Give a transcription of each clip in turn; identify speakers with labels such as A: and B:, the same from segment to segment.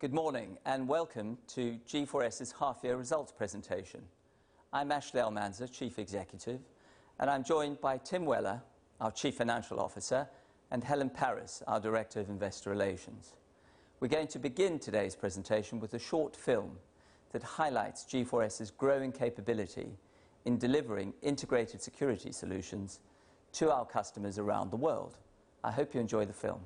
A: Good morning, welcome to G4S's half-year results presentation. I'm Ashley Almanza, Chief Executive, and I'm joined by Tim Weller, our Chief Financial Officer, and Helen Parris, our Director of Investor Relations. We're going to begin today's presentation with a short film that highlights G4S's growing capability in delivering Integrated Security Solutions to our customers around the world. I hope you enjoy the film.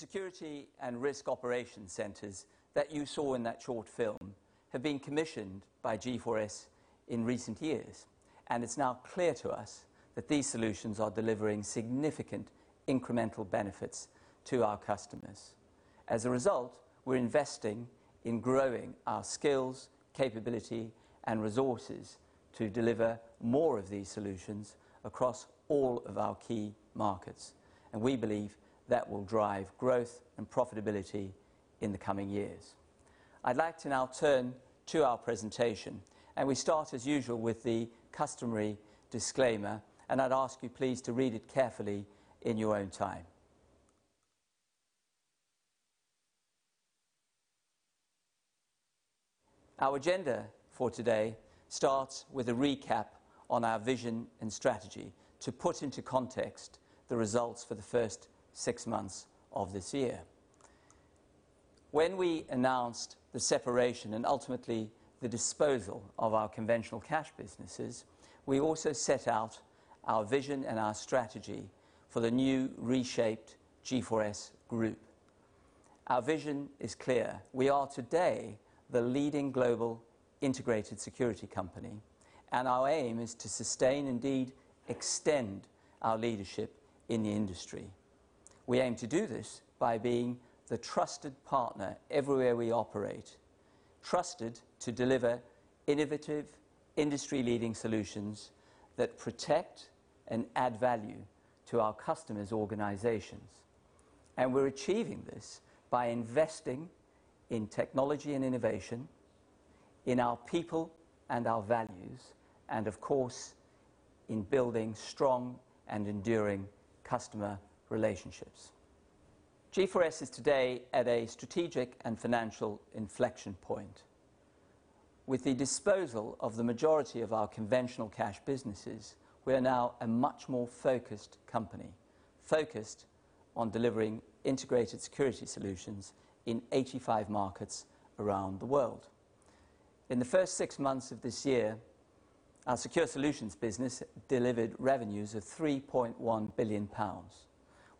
A: The security and risk operation centers that you saw in that short film have been commissioned by G4S in recent years, and it's now clear to us that these solutions are delivering significant incremental benefits to our customers. As a result, we're investing in growing our skills, capability, and resources to deliver more of these solutions across all of our key markets, and we believe that will drive growth and profitability in the coming years. I'd like to now turn to our presentation. We start as usual with the customary disclaimer. I'd ask you please to read it carefully in your own time. Our agenda for today starts with a recap on our vision and strategy to put into context the results for the first six months of this year. When we announced the separation and ultimately the disposal of our conventional cash businesses, we also set out our vision and our strategy for the new reshaped G4S Group. Our vision is clear. We are today the leading global integrated security company. Our aim is to sustain, indeed, extend our leadership in the industry. We aim to do this by being the trusted partner everywhere we operate. Trusted to deliver innovative, industry-leading solutions that protect and add value to our customers' organizations. We're achieving this by investing in technology and innovation, in our people and our values, and of course, in building strong and enduring customer relationships. G4S is today at a strategic and financial inflection point. With the disposal of the majority of our conventional cash businesses, we are now a much more focused company, focused on delivering Integrated Security Solutions in 85 markets around the world. In the first six months of this year, our Secure Solutions business delivered revenues of 3.1 billion pounds,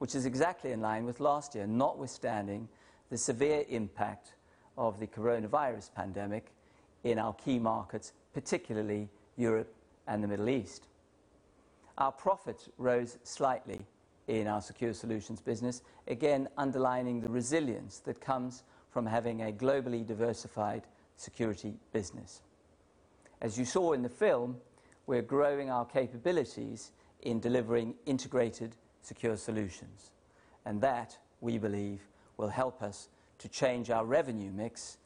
A: which is exactly in line with last year, notwithstanding the severe impact of the coronavirus pandemic in our key markets, particularly Europe and the Middle East. Our profit rose slightly in our Secure Solutions business, again underlining the resilience that comes from having a globally diversified security business. As you saw in the film, we're growing our capabilities in delivering integrated Secure Solutions, and that, we believe, will help us to change our revenue mix,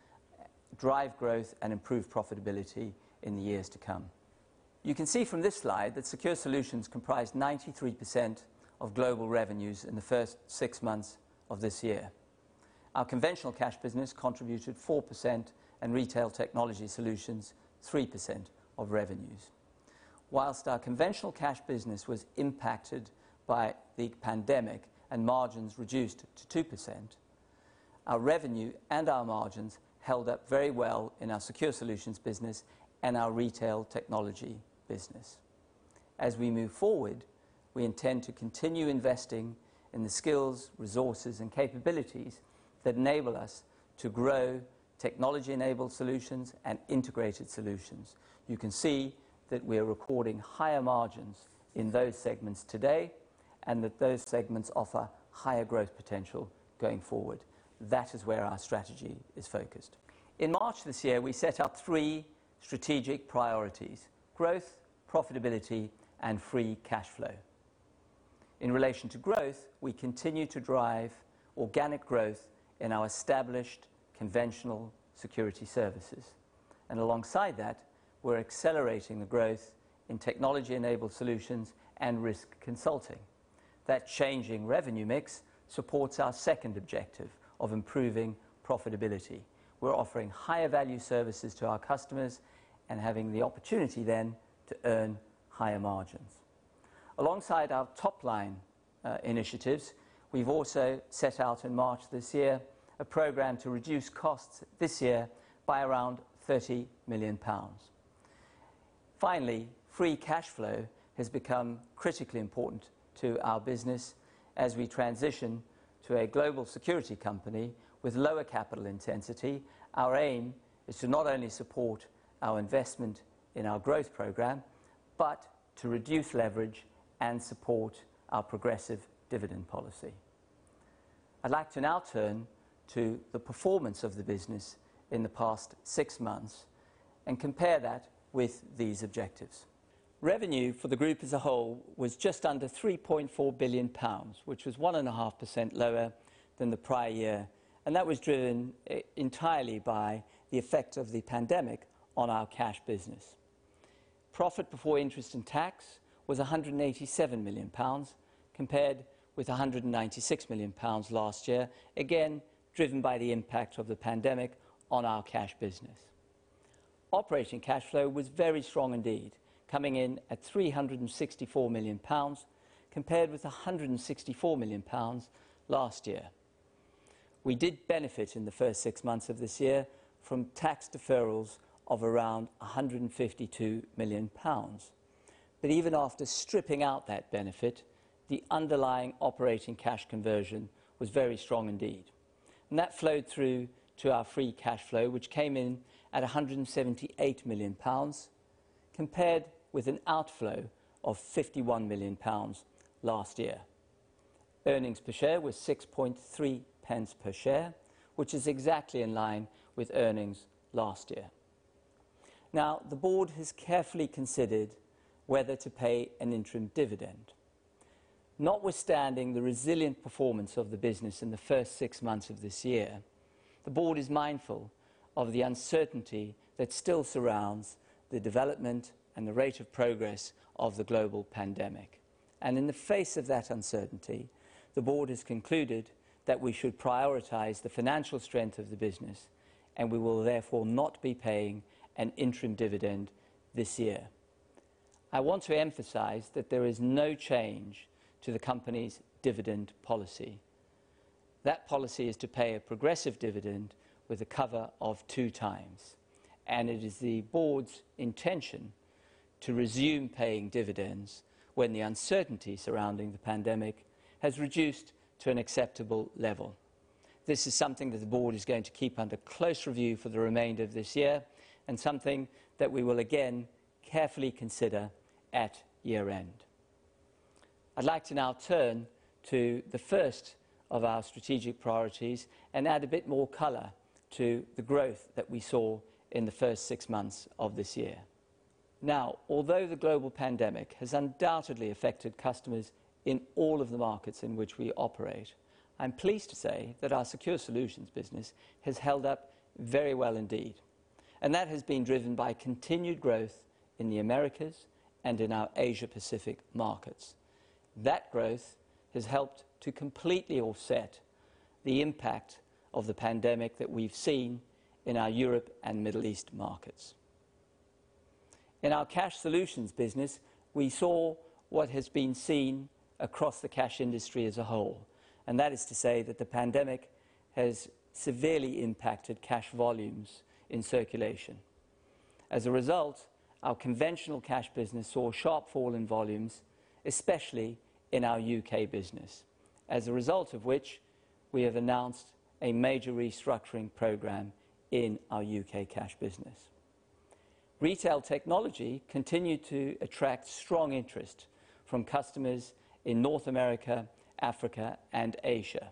A: drive growth, and improve profitability in the years to come. You can see from this slide that Secure Solutions comprised 93% of global revenues in the first six months of this year. Our conventional cash business contributed 4% and Retail Technology Solutions 3% of revenues. Whilst our conventional cash business was impacted by the pandemic and margins reduced to 2%, our revenue and our margins held up very well in our Secure Solutions business and our Retail Technology business. We intend to continue investing in the skills, resources, and capabilities that enable us to grow Technology-Enabled Solutions and Integrated Solutions. You can see that we are recording higher margins in those segments today and that those segments offer higher growth potential going forward. That is where our strategy is focused. In March this year, we set up three strategic priorities: growth, profitability, and free cash flow. In relation to growth, we continue to drive organic growth in our established Conventional Security Services. Alongside that, we're accelerating the growth in Technology-Enabled Solutions and Risk Consulting. That changing revenue mix supports our second objective of improving profitability. We're offering higher value services to our customers and having the opportunity then to earn higher margins. Alongside our top-line initiatives, we've also set out in March this year a program to reduce costs this year by around 30 million pounds. Finally, free cash flow has become critically important to our business as we transition to a global security company with lower capital intensity. Our aim is to not only support our investment in our growth program, but to reduce leverage and support our progressive dividend policy. I'd like to now turn to the performance of the business in the past six months and compare that with these objectives. Revenue for the group as a whole was just under 3.4 billion pounds, which was 1.5% lower than the prior year. That was driven entirely by the effect of the pandemic on our cash business. Profit before interest and tax was 187 million pounds, compared with 196 million pounds last year, again, driven by the impact of the pandemic on our cash business. Operating cash flow was very strong indeed, coming in at 364 million pounds, compared with 164 million pounds last year. We did benefit in the first six months of this year from tax deferrals of around 152 million pounds. Even after stripping out that benefit, the underlying operating cash conversion was very strong indeed. That flowed through to our free cash flow, which came in at 178 million pounds, compared with an outflow of 51 million pounds last year. Earnings per share were 0.063 per share, which is exactly in line with earnings last year. Now, the board has carefully considered whether to pay an interim dividend. Notwithstanding the resilient performance of the business in the first six months of this year, the board is mindful of the uncertainty that still surrounds the development and the rate of progress of the global pandemic. In the face of that uncertainty, the board has concluded that we should prioritize the financial strength of the business, and we will therefore not be paying an interim dividend this year. I want to emphasize that there is no change to the company's dividend policy. That policy is to pay a progressive dividend with a cover of two times, and it is the board's intention to resume paying dividends when the uncertainty surrounding the pandemic has reduced to an acceptable level. This is something that the board is going to keep under close review for the remainder of this year, and something that we will again carefully consider at year-end. I'd like to now turn to the first of our strategic priorities and add a bit more color to the growth that we saw in the first six months of this year. Now, although the global pandemic has undoubtedly affected customers in all of the markets in which we operate, I'm pleased to say that our Secure Solutions business has held up very well indeed, and that has been driven by continued growth in the Americas and in our Asia Pacific markets. That growth has helped to completely offset the impact of the pandemic that we've seen in our Europe and Middle East markets. In our Cash Solutions business, we saw what has been seen across the cash industry as a whole, and that is to say that the pandemic has severely impacted cash volumes in circulation. As a result, our conventional Cash Solutions business saw a sharp fall in volumes, especially in our U.K. business, as a result of which we have announced a major restructuring program in our U.K. Cash Solutions business. Retail Technology Solutions continued to attract strong interest from customers in North America, Africa, and Asia.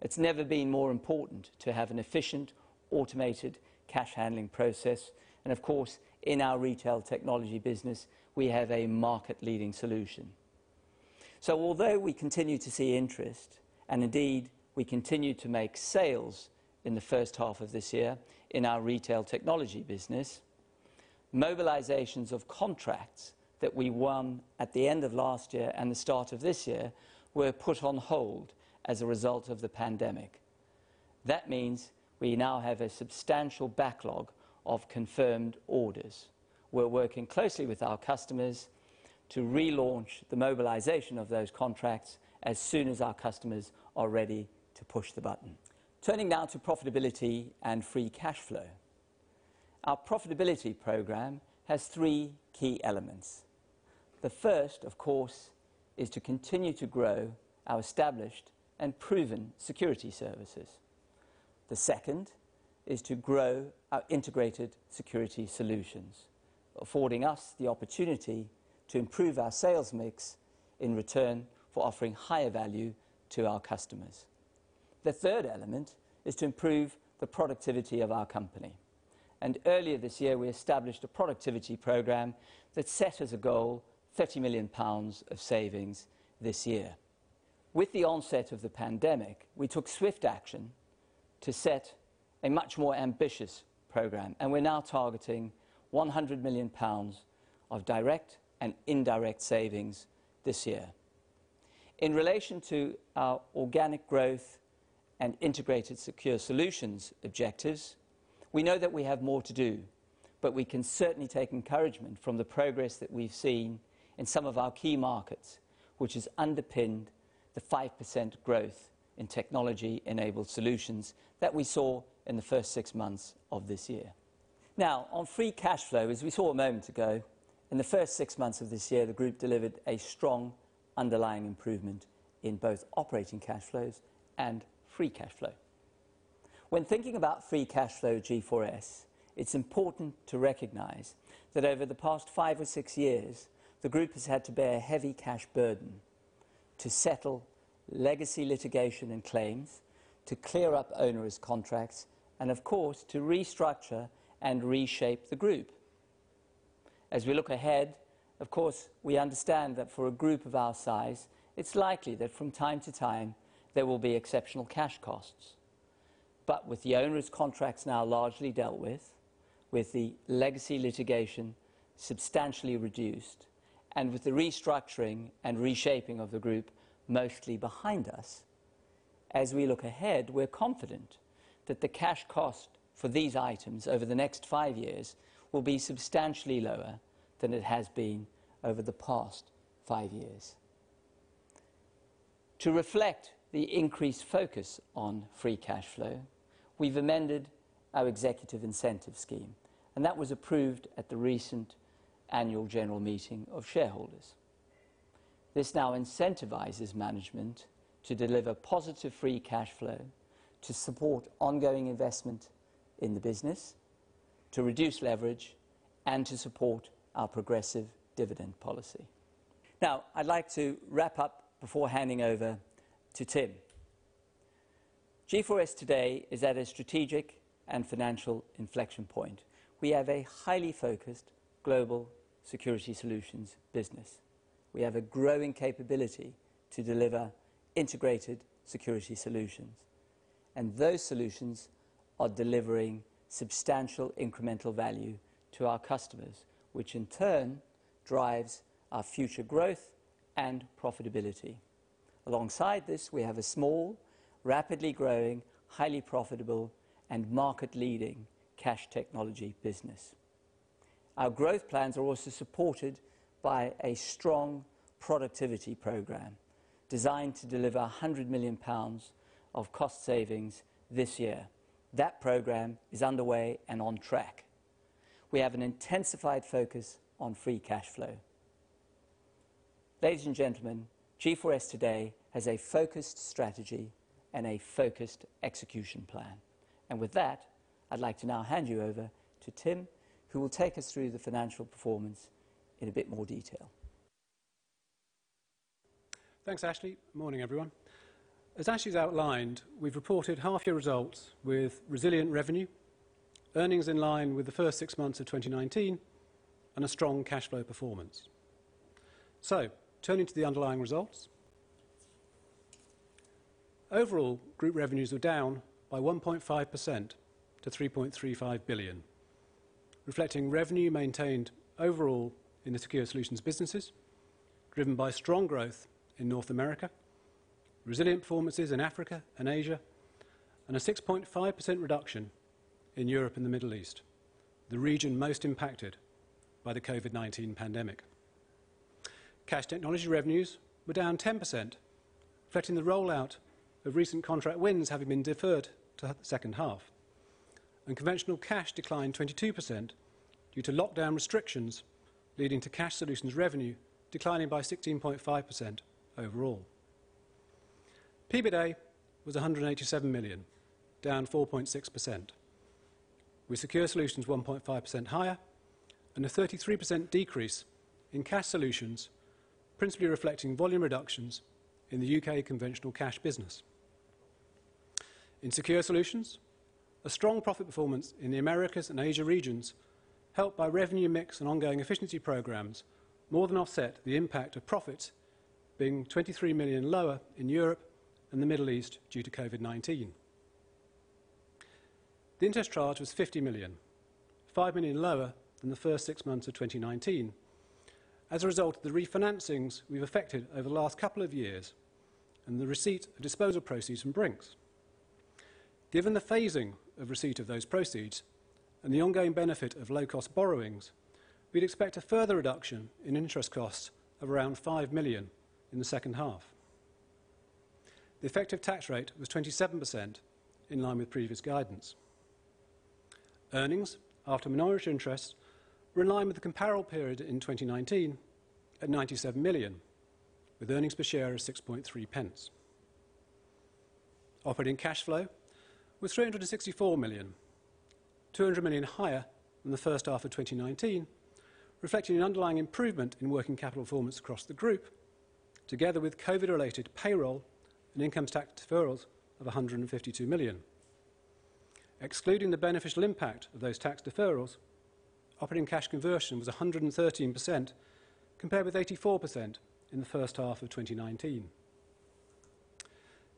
A: It's never been more important to have an efficient, automated cash handling process, and of course, in our Retail Technology Solutions business, we have a market-leading solution. Although we continue to see interest, and indeed, we continued to make sales in the first half of this year in our Retail Technology Solutions business, mobilizations of contracts that we won at the end of last year and the start of this year were put on hold as a result of the COVID-19 pandemic. That means we now have a substantial backlog of confirmed orders. We're working closely with our customers to relaunch the mobilization of those contracts as soon as our customers are ready to push the button. Turning now to profitability and free cash flow. Our profitability program has three key elements. The first, of course, is to continue to grow our established and proven security services. The second is to grow our Integrated Security Solutions, affording us the opportunity to improve our sales mix in return for offering higher value to our customers. The third element is to improve the productivity of our company. Earlier this year, we established a productivity program that set as a goal 30 million pounds of savings this year. With the onset of the pandemic, we took swift action to set a much more ambitious program, and we're now targeting 100 million pounds of direct and indirect savings this year. In relation to our organic growth and integrated Secure Solutions objectives, we know that we have more to do, but we can certainly take encouragement from the progress that we've seen in some of our key markets, which has underpinned the 5% growth in Technology-Enabled Solutions that we saw in the first six months of this year. Now, on free cash flow, as we saw a moment ago, in the first six months of this year, the group delivered a strong underlying improvement in both operating cash flows and free cash flow. When thinking about free cash flow G4S, it's important to recognize that over the past five or six years, the group has had to bear a heavy cash burden to settle legacy litigation and claims, to clear up onerous contracts, and of course, to restructure and reshape the group. As we look ahead, of course, we understand that for a group of our size, it's likely that from time to time there will be exceptional cash costs. With the onerous contracts now largely dealt with the legacy litigation substantially reduced, and with the restructuring and reshaping of the group mostly behind us, as we look ahead, we're confident that the cash cost for these items over the next five years will be substantially lower than it has been over the past five years. To reflect the increased focus on free cash flow, we've amended our executive incentive scheme, and that was approved at the recent annual general meeting of shareholders. This now incentivizes management to deliver positive free cash flow to support ongoing investment in the business, to reduce leverage, and to support our progressive dividend policy. I'd like to wrap up before handing over to Tim. G4S today is at a strategic and financial inflection point. We have a highly focused global Security Solutions business. We have a growing capability to deliver Integrated Security Solutions. Those solutions are delivering substantial incremental value to our customers, which in turn drives our future growth and profitability. Alongside this, we have a small, rapidly growing, highly profitable, and market-leading cash technology business. Our growth plans are also supported by a strong productivity program designed to deliver 100 million pounds of cost savings this year. That program is underway and on track. We have an intensified focus on free cash flow. Ladies and gentlemen, G4S today has a focused strategy and a focused execution plan. With that, I'd like to now hand you over to Tim, who will take us through the financial performance in a bit more detail.
B: Thanks, Ashley. Morning, everyone. As Ashley's outlined, we've reported half-year results with resilient revenue, earnings in line with the first six months of 2019, and a strong cash flow performance. Turning to the underlying results. Overall, group revenues were down by 1.5% to 3.35 billion, reflecting revenue maintained overall in the Secure Solutions businesses, driven by strong growth in North America, resilient performances in Africa and Asia, and a 6.5% reduction in Europe and the Middle East, the region most impacted by the COVID-19 pandemic. Cash Technology revenues were down 10%, reflecting the rollout of recent contract wins having been deferred to the second half. Conventional cash declined 22% due to lockdown restrictions, leading to Cash Solutions revenue declining by 16.5% overall. EBITDA was GBP 187 million, down 4.6%, with Secure Solutions 1.5% higher and a 33% decrease in Cash Solutions, principally reflecting volume reductions in the U.K. conventional cash business. In Secure Solutions, a strong profit performance in the Americas and Asia regions, helped by revenue mix and ongoing efficiency programs, more than offset the impact of profits being 23 million lower in Europe and the Middle East due to COVID-19. The interest charge was 50 million, 5 million lower than the first six months of 2019 as a result of the refinancings we've effected over the last couple of years and the receipt of disposal proceeds from Brink's. Given the phasing of receipt of those proceeds and the ongoing benefit of low-cost borrowings, we'd expect a further reduction in interest costs of around 5 million in the second half. The effective tax rate was 27%, in line with previous guidance. Earnings after minority interest were in line with the comparable period in 2019 at 97 million, with earnings per share of 0.063. Operating cash flow was 364 million, 200 million higher than the first half of 2019, reflecting an underlying improvement in working capital performance across the group, together with COVID-related payroll and income tax deferrals of 152 million. Excluding the beneficial impact of those tax deferrals, operating cash conversion was 113%, compared with 84% in the first half of 2019.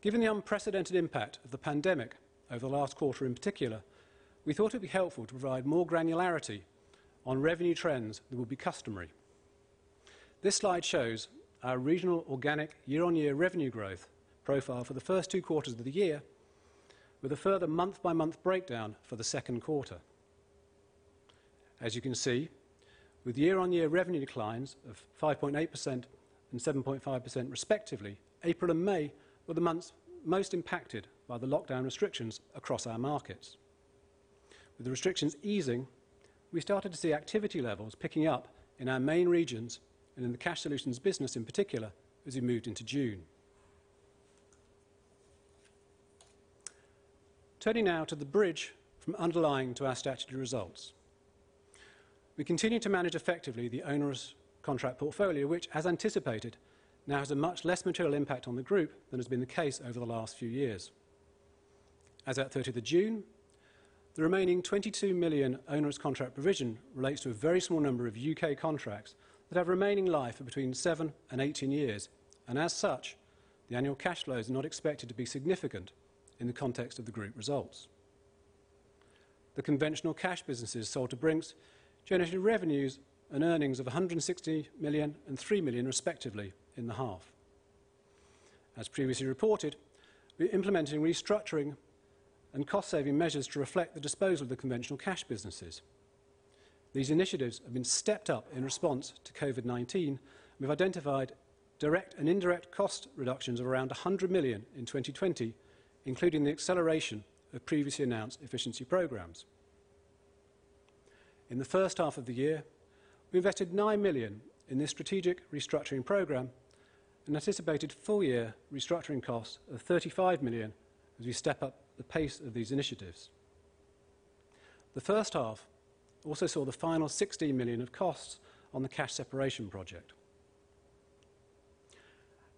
B: Given the unprecedented impact of the pandemic over the last quarter in particular, we thought it'd be helpful to provide more granularity on revenue trends than would be customary. This slide shows our regional organic year-on-year revenue growth profile for the first two quarters of the year with a further month-by-month breakdown for the second quarter. As you can see, with year-on-year revenue declines of 5.8% and 7.5% respectively, April and May were the months most impacted by the lockdown restrictions across our markets. With the restrictions easing, we started to see activity levels picking up in our main regions and in the Cash Solutions business in particular as we moved into June. Turning now to the bridge from underlying to our statutory results. We continue to manage effectively the onerous contract portfolio, which, as anticipated, now has a much less material impact on the group than has been the case over the last few years. As at 30th of June, the remaining 22 million onerous contract provision relates to a very small number of U.K. contracts that have remaining life of between seven and 18 years, and as such, the annual cash flows are not expected to be significant in the context of the group results. The conventional cash businesses sold to Brink's generated revenues and earnings of 160 million and 3 million respectively in the half. As previously reported, we're implementing restructuring and cost-saving measures to reflect the disposal of the conventional cash businesses. These initiatives have been stepped up in response to COVID-19, and we've identified direct and indirect cost reductions of around 100 million in 2020, including the acceleration of previously announced efficiency programs. In the first half of the year, we invested 9 million in this strategic restructuring program and anticipated full-year restructuring costs of 35 million as we step up the pace of these initiatives. The first half also saw the final 16 million of costs on the cash separation project.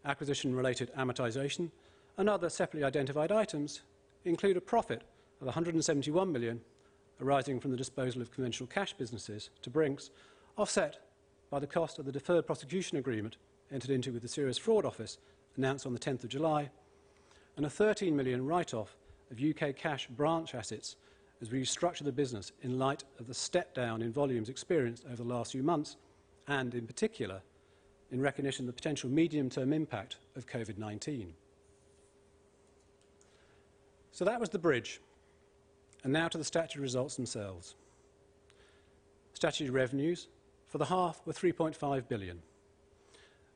B: Acquisition-related amortization and other separately identified items include a profit of 171 million arising from the disposal of conventional cash businesses to Brink's, offset by the cost of the Deferred Prosecution Agreement entered into with the Serious Fraud Office announced on the 10th of July, and a 13 million write-off of U.K. cash branch assets as we restructure the business in light of the step-down in volumes experienced over the last few months and, in particular, in recognition of the potential medium-term impact of COVID-19. That was the bridge, and now to the statutory results themselves. Statutory revenues for the half were 3.5 billion.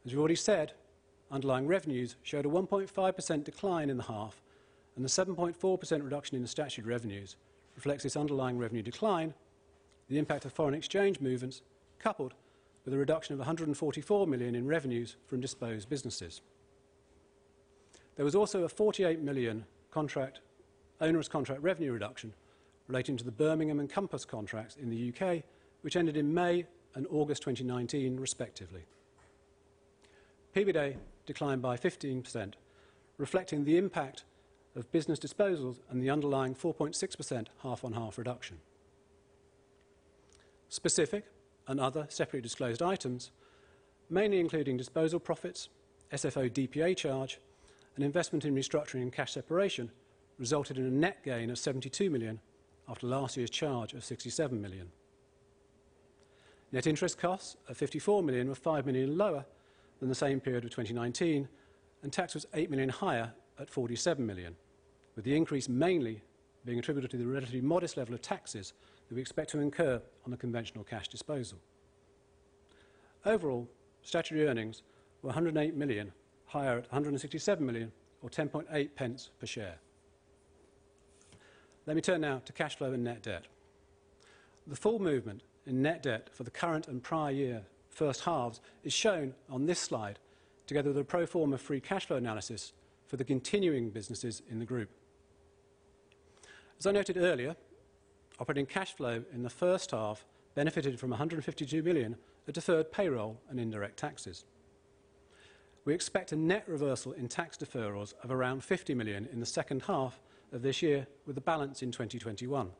B: As we already said, underlying revenues showed a 1.5% decline in the half, and the 7.4% reduction in the statutory revenues reflects this underlying revenue decline, the impact of foreign exchange movements, coupled with a reduction of 144 million in revenues from disposed businesses. There was also a 48 million onerous contract revenue reduction relating to the Birmingham and COMPASS contracts in the U.K., which ended in May and August 2019, respectively. EBITDA declined by 15%, reflecting the impact of business disposals and the underlying 4.6% half-on-half reduction. Specific and other separately disclosed items, mainly including disposal profits, SFO DPA charge, and investment in restructuring and cash separation, resulted in a net gain of 72 million after last year's charge of 67 million. Net interest costs of 54 million were 5 million lower than the same period of 2019, and tax was 8 million higher at 47 million, with the increase mainly being attributed to the relatively modest level of taxes that we expect to incur on a conventional cash disposal. Overall, statutory earnings were 108 million higher at 167 million or 0.108 per share. Let me turn now to cash flow and net debt. The full movement in net debt for the current and prior year first halves is shown on this slide, together with a pro forma free cash flow analysis for the continuing businesses in the group. As I noted earlier, operating cash flow in the first half benefited from 152 million of deferred payroll and indirect taxes. We expect a net reversal in tax deferrals of around 50 million in the second half of this year, with the balance in 2021.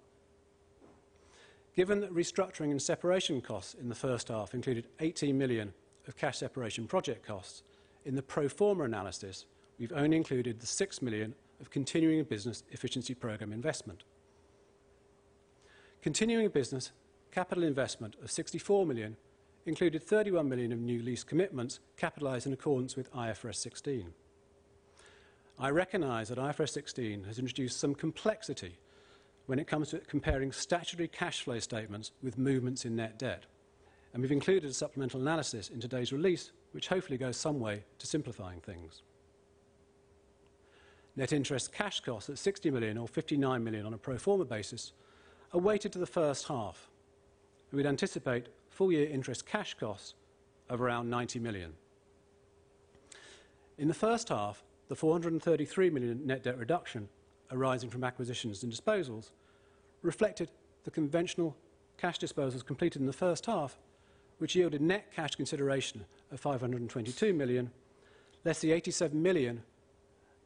B: Given that restructuring and separation costs in the first half included 18 million of cash separation project costs, in the pro forma analysis we've only included the 6 million of continuing business efficiency program investment. Continuing business capital investment of 64 million included 31 million of new lease commitments capitalized in accordance with IFRS 16. I recognize that IFRS 16 has introduced some complexity when it comes to comparing statutory cash flow statements with movements in net debt, and we've included a supplemental analysis in today's release which hopefully goes some way to simplifying things. Net interest cash costs at 60 million or 59 million on a pro forma basis are weighted to the first half. We'd anticipate full-year interest cash costs of around 90 million. In the first half, the 433 million net debt reduction arising from acquisitions and disposals reflected the conventional cash disposals completed in the first half, which yielded net cash consideration of 522 million, less the 87 million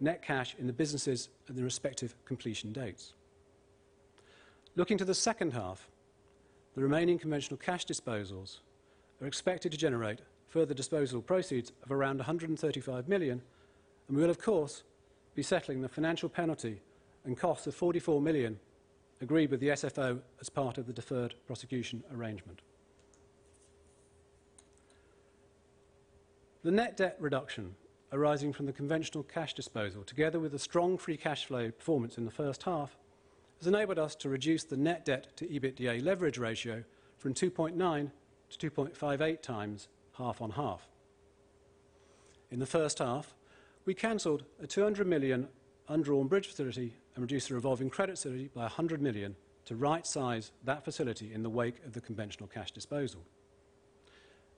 B: net cash in the businesses at their respective completion dates. Looking to the second half, the remaining conventional cash disposals are expected to generate further disposal proceeds of around 135 million, and we will of course be settling the financial penalty and costs of 44 million agreed with the SFO as part of the Deferred Prosecution Agreement. The net debt reduction arising from the conventional cash disposal, together with the strong free cash flow performance in the first half, has enabled us to reduce the net debt to EBITDA leverage ratio from 2.9x to 2.58x half-on-half. In the first half, we canceled a 200 million undrawn bridge facility and reduced the revolving credit facility by 100 million to right-size that facility in the wake of the conventional cash disposal.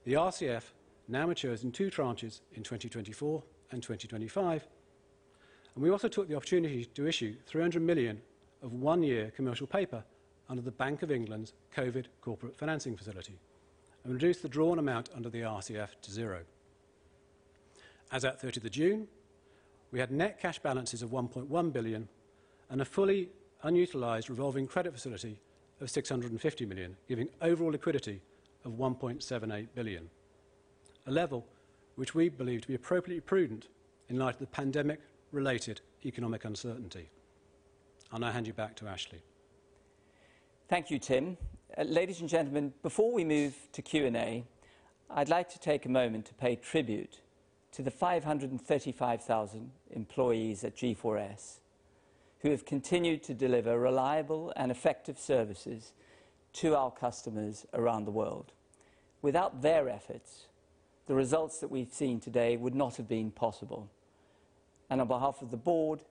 B: The RCF now matures in two tranches in 2024 and 2025. We also took the opportunity to issue 300 million of one-year commercial paper under the Bank of England's COVID Corporate Financing Facility and reduced the drawn amount under the RCF to zero. As at 30th June, we had net cash balances of 1.1 billion and a fully unutilized revolving credit facility of 650 million, giving overall liquidity of 1.78 billion, a level which we believe to be appropriately prudent in light of the pandemic-related economic uncertainty. I'll now hand you back to Ashley.
A: Thank you, Tim. Ladies and gentlemen, before we move to Q&A, I'd like to take a moment to pay tribute to the 535,000 employees at G4S who have continued to deliver reliable and effective services to our customers around the world. Without their efforts, the results that we've seen today would not have been possible, and on behalf of the board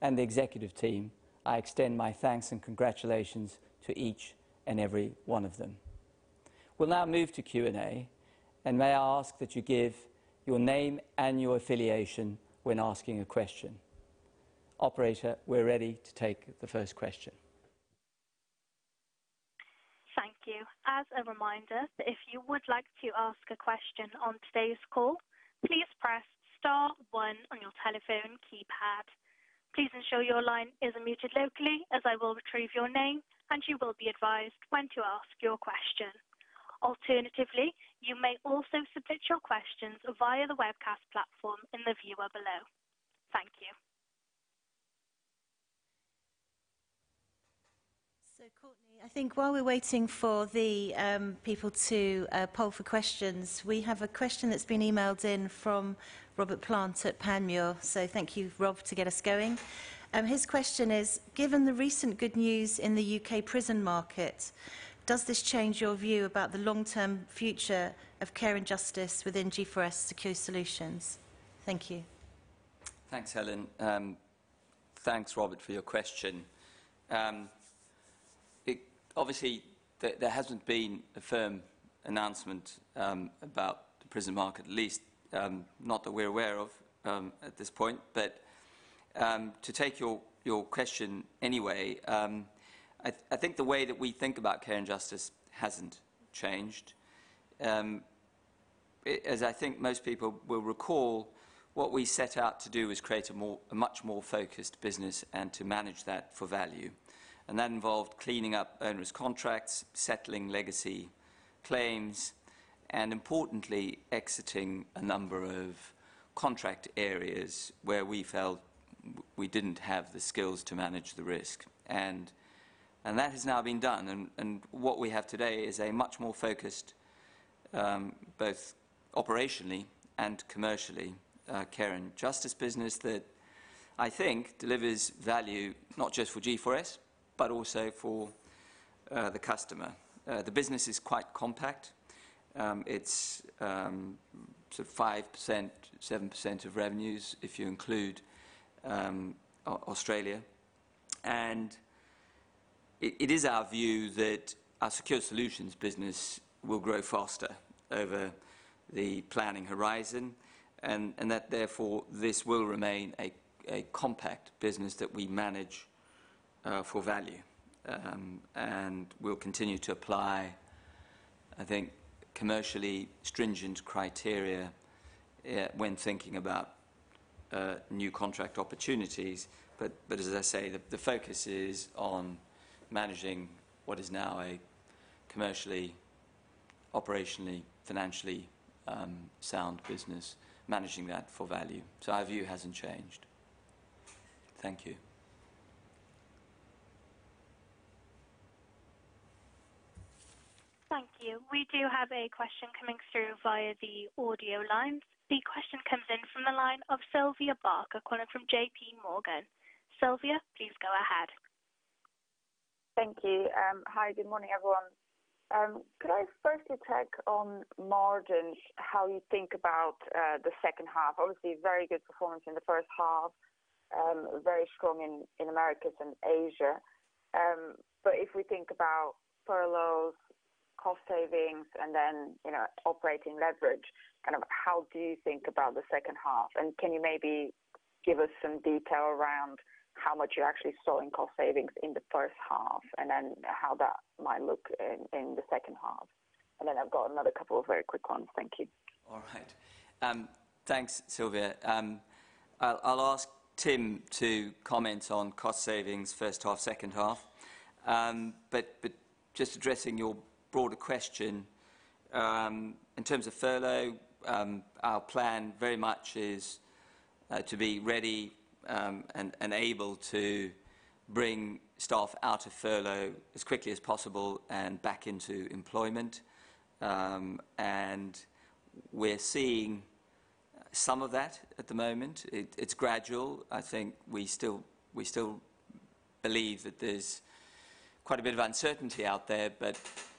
A: and the executive team, I extend my thanks and congratulations to each and every one of them. We'll now move to Q&A, and may I ask that you give your name and your affiliation when asking a question. Operator, we're ready to take the first question.
C: Thank you. As a reminder, if you would like to ask a question on today's call, please press star one on your telephone keypad. Please ensure your line is unmuted locally, as I will retrieve your name and you will be advised when to ask your question. Alternatively, you may also submit your questions via the webcast platform in the viewer below. Thank you.
D: Courtney, I think while we're waiting for the people to poll for questions, we have a question that's been emailed in from Robert Plant at Panmure. Thank you, Rob, to get us going. His question is: Given the recent good news in the U.K. prison market, does this change your view about the long-term future of Care and Justice within G4S Secure Solutions? Thank you.
A: Thanks, Helen. Thanks, Robert, for your question. Obviously, there hasn't been a firm announcement about the prison market, at least not that we're aware of at this point. To take your question anyway, I think the way that we think about Care and Justice hasn't changed. As I think most people will recall, what we set out to do was create a much more focused business and to manage that for value. That involved cleaning up onerous contracts, settling legacy claims, and importantly, exiting a number of contract areas where we felt we didn't have the skills to manage the risk. That has now been done, and what we have today is a much more focused, both operationally and commercially, Care and Justice business that I think delivers value not just for G4S, but also for the customer. The business is quite compact. It's 5%, 7% of revenues if you include Australia. It is our view that our Secure Solutions business will grow faster over the planning horizon, and that therefore this will remain a compact business that we manage for value. We'll continue to apply, I think, commercially stringent criteria when thinking about new contract opportunities. As I say, the focus is on managing what is now a commercially, operationally, financially sound business, managing that for value. Our view hasn't changed. Thank you.
C: Thank you. We do have a question coming through via the audio lines. The question comes in from the line of Sylvia Barker calling from JPMorgan. Sylvia, please go ahead.
E: Thank you. Hi, good morning, everyone. Could I firstly check on margins, how you think about the second half? Obviously, very good performance in the first half, very strong in Americas and Asia. If we think about furloughs, cost savings, and then operating leverage, how do you think about the second half? Can you maybe give us some detail around how much you're actually scoring cost savings in the first half, and then how that might look in the second half? I've got another couple of very quick ones. Thank you.
A: All right. Thanks, Sylvia. I'll ask Tim to comment on cost savings first half, second half. Just addressing your broader question, in terms of furlough, our plan very much is to be ready and able to bring staff out of furlough as quickly as possible and back into employment. We're seeing some of that at the moment. It's gradual. I think we still believe that there's quite a bit of uncertainty out there.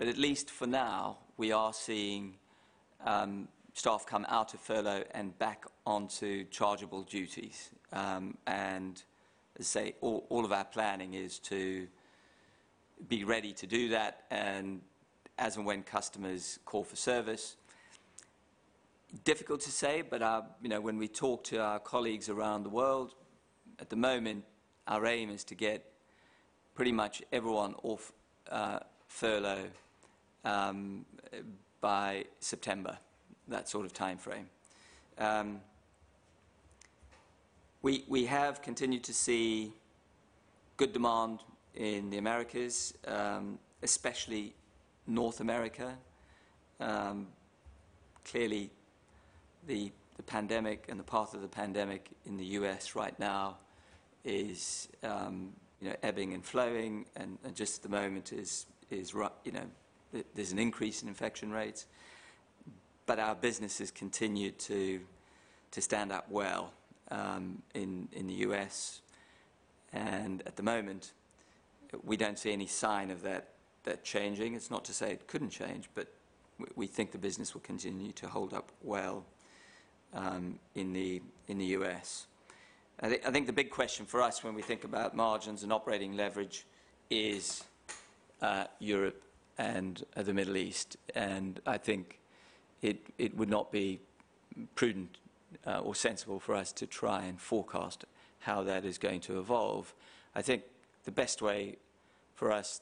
A: At least for now, we are seeing staff come out of furlough and back onto chargeable duties. As I say, all of our planning is to be ready to do that, and as and when customers call for service. Difficult to say, but when we talk to our colleagues around the world, at the moment, our aim is to get pretty much everyone off furlough by September, that sort of timeframe. We have continued to see good demand in the Americas, especially North America. Clearly, the pandemic and the path of the pandemic in the U.S. right now is ebbing and flowing, and just at the moment, there's an increase in infection rates. Our business has continued to stand up well in the U.S. At the moment, we don't see any sign of that changing. It's not to say it couldn't change, but we think the business will continue to hold up well in the U.S. I think the big question for us when we think about margins and operating leverage is Europe and the Middle East. I think it would not be prudent or sensible for us to try and forecast how that is going to evolve. I think the best way for us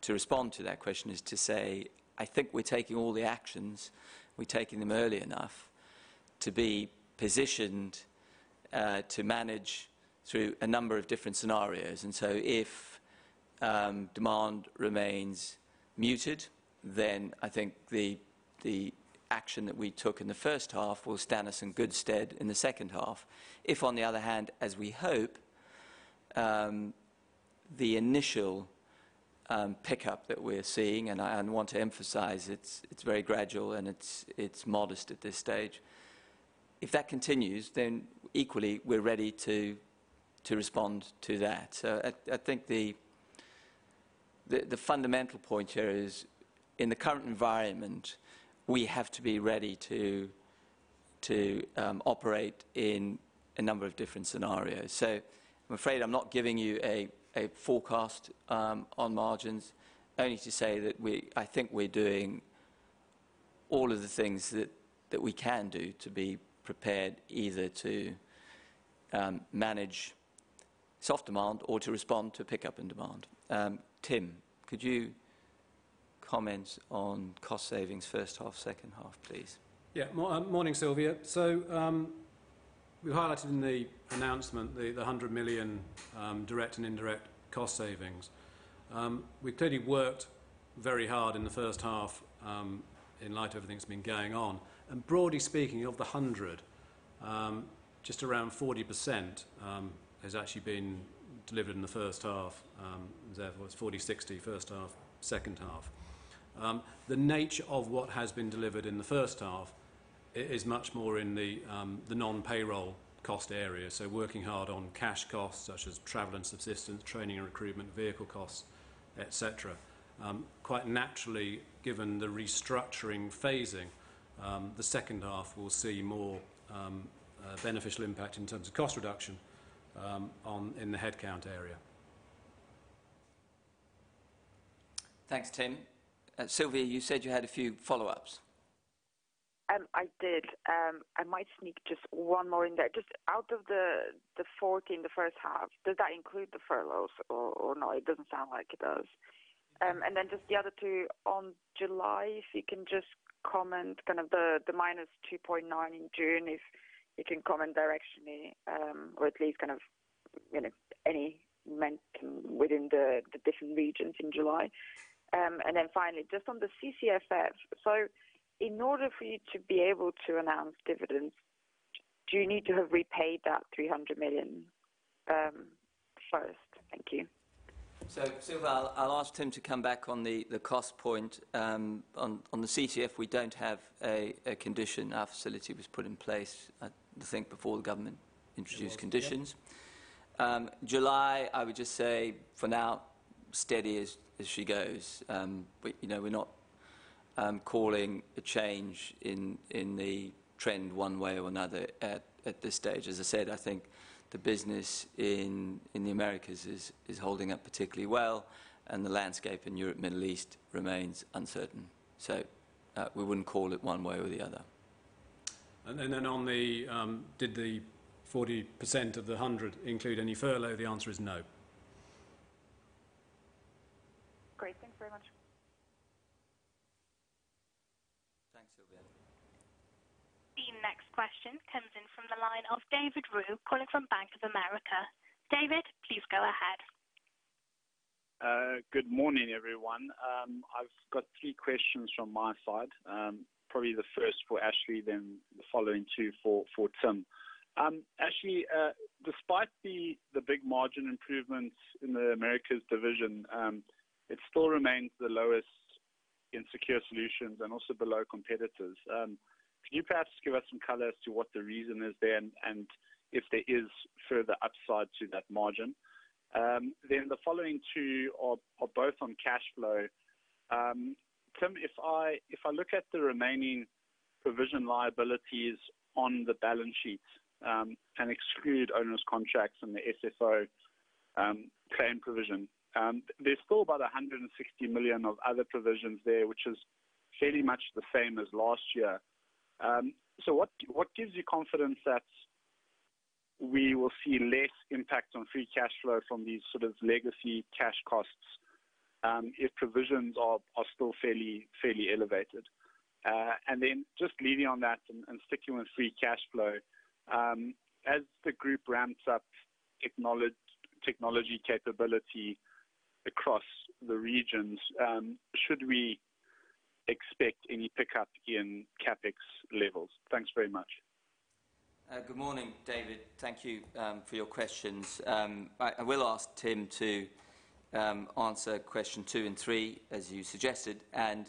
A: to respond to that question is to say, I think we're taking all the actions, we're taking them early enough to be positioned to manage through a number of different scenarios. If demand remains muted, I think the action that we took in the first half will stand us in good stead in the second half. If on the other hand, as we hope, the initial pickup that we're seeing, and I want to emphasize it's very gradual and it's modest at this stage, if that continues, equally we're ready to respond to that. I think the fundamental point here is in the current environment, we have to be ready to operate in a number of different scenarios. I'm afraid I'm not giving you a forecast on margins. Only to say that I think we're doing all of the things that we can do to be prepared, either to manage soft demand or to respond to a pickup in demand. Tim, could you comment on cost savings first half, second half, please?
B: Morning, Sylvia. We highlighted in the announcement the 100 million direct and indirect cost savings. We clearly worked very hard in the first half in light of everything that's been going on. Broadly speaking, of the 100, just around 40% has actually been delivered in the first half. Therefore, it's 40/60 first half, second half. The nature of what has been delivered in the first half is much more in the non-payroll cost area, so working hard on cash costs such as travel and subsistence, training and recruitment, vehicle costs, et cetera. Quite naturally, given the restructuring phasing, the second half will see more beneficial impact in terms of cost reduction in the headcount area.
A: Thanks, Tim. Sylvia, you said you had a few follow-ups.
E: I did. I might sneak just one more in there. Just out of the 40 in the first half, does that include the furloughs or no? It doesn't sound like it does. Just the other two, on July, if you can just comment, kind of the -2.9 in June, if you can comment directionally or at least any momentum within the different regions in July. Finally, just on the CCFF. In order for you to be able to announce dividends, do you need to have repaid that 300 million first? Thank you.
A: Sylvia, I'll ask Tim to come back on the cost point. On the CFF, we don't have a condition. Our facility was put in place, I think, before the government introduced conditions. July, I would just say, for now, steady as she goes. We're not calling a change in the trend one way or another at this stage. As I said, I think the business in the Americas is holding up particularly well, and the landscape in Europe, Middle East remains uncertain. We wouldn't call it one way or the other.
B: On the, did the 40% of the 100 include any furlough? The answer is no.
E: Great. Thanks very much.
A: Thanks, Sylvia.
C: The next question comes in from the line of David Roux calling from Bank of America. David, please go ahead.
F: Good morning, everyone. I've got three questions from my side, probably the first for Ashley, then the following two for Tim. Ashley, despite the big margin improvements in the Americas division, it still remains the lowest in Secure Solutions and also below competitors. Can you perhaps give us some color as to what the reason is there and if there is further upside to that margin? The following two are both on cash flow. Tim, if I look at the remaining provision liabilities on the balance sheet and exclude COMPASS contracts and the SFO claim provision, there's still about 160 million of other provisions there, which is fairly much the same as last year. What gives you confidence that we will see less impact on free cash flow from these sort of legacy cash costs if provisions are still fairly elevated? Just leaving on that and sticking with free cash flow, as the group ramps up technology capability across the regions, should we expect any pickup in CapEx levels? Thanks very much.
A: Good morning, David. Thank you for your questions. I will ask Tim to answer question two and three as you suggested, and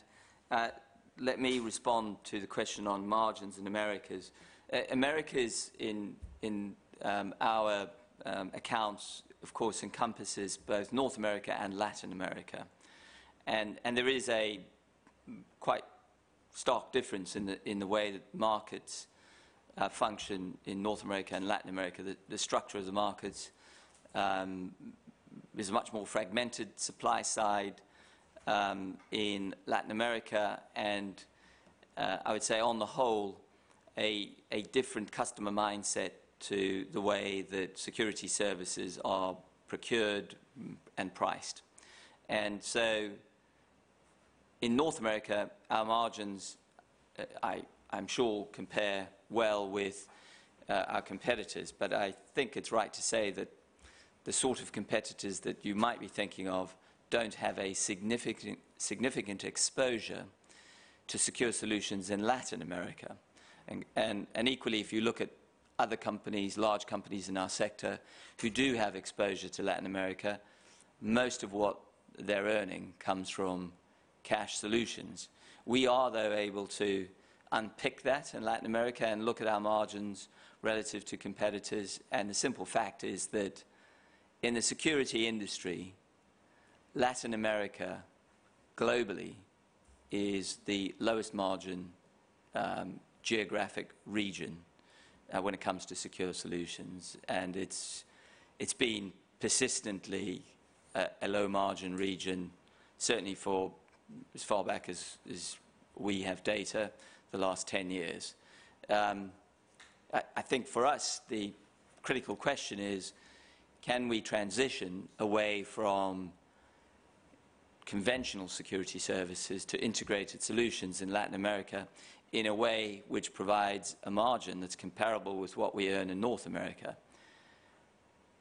A: let me respond to the question on margins in Americas. Americas in our accounts, of course, encompasses both North America and Latin America, and there is a quite stark difference in the way that markets function in North America and Latin America. The structure of the markets is much more fragmented supply side in Latin America and I would say on the whole, a different customer mindset to the way that security services are procured and priced. In North America, our margins, I'm sure, compare well with our competitors. I think it's right to say that the sort of competitors that you might be thinking of don't have a significant exposure to Secure Solutions in Latin America. Equally, if you look at other companies, large companies in our sector who do have exposure to Latin America, most of what they're earning comes from Cash Solutions. We are, though, able to unpick that in Latin America and look at our margins relative to competitors. The simple fact is that in the security industry, Latin America globally is the lowest margin geographic region when it comes to Secure Solutions, and it's been persistently a low margin region, certainly for as far back as we have data, the last 10 years. I think for us, the critical question is can we transition away from Conventional Security Services to Integrated Solutions in Latin America in a way which provides a margin that's comparable with what we earn in North America?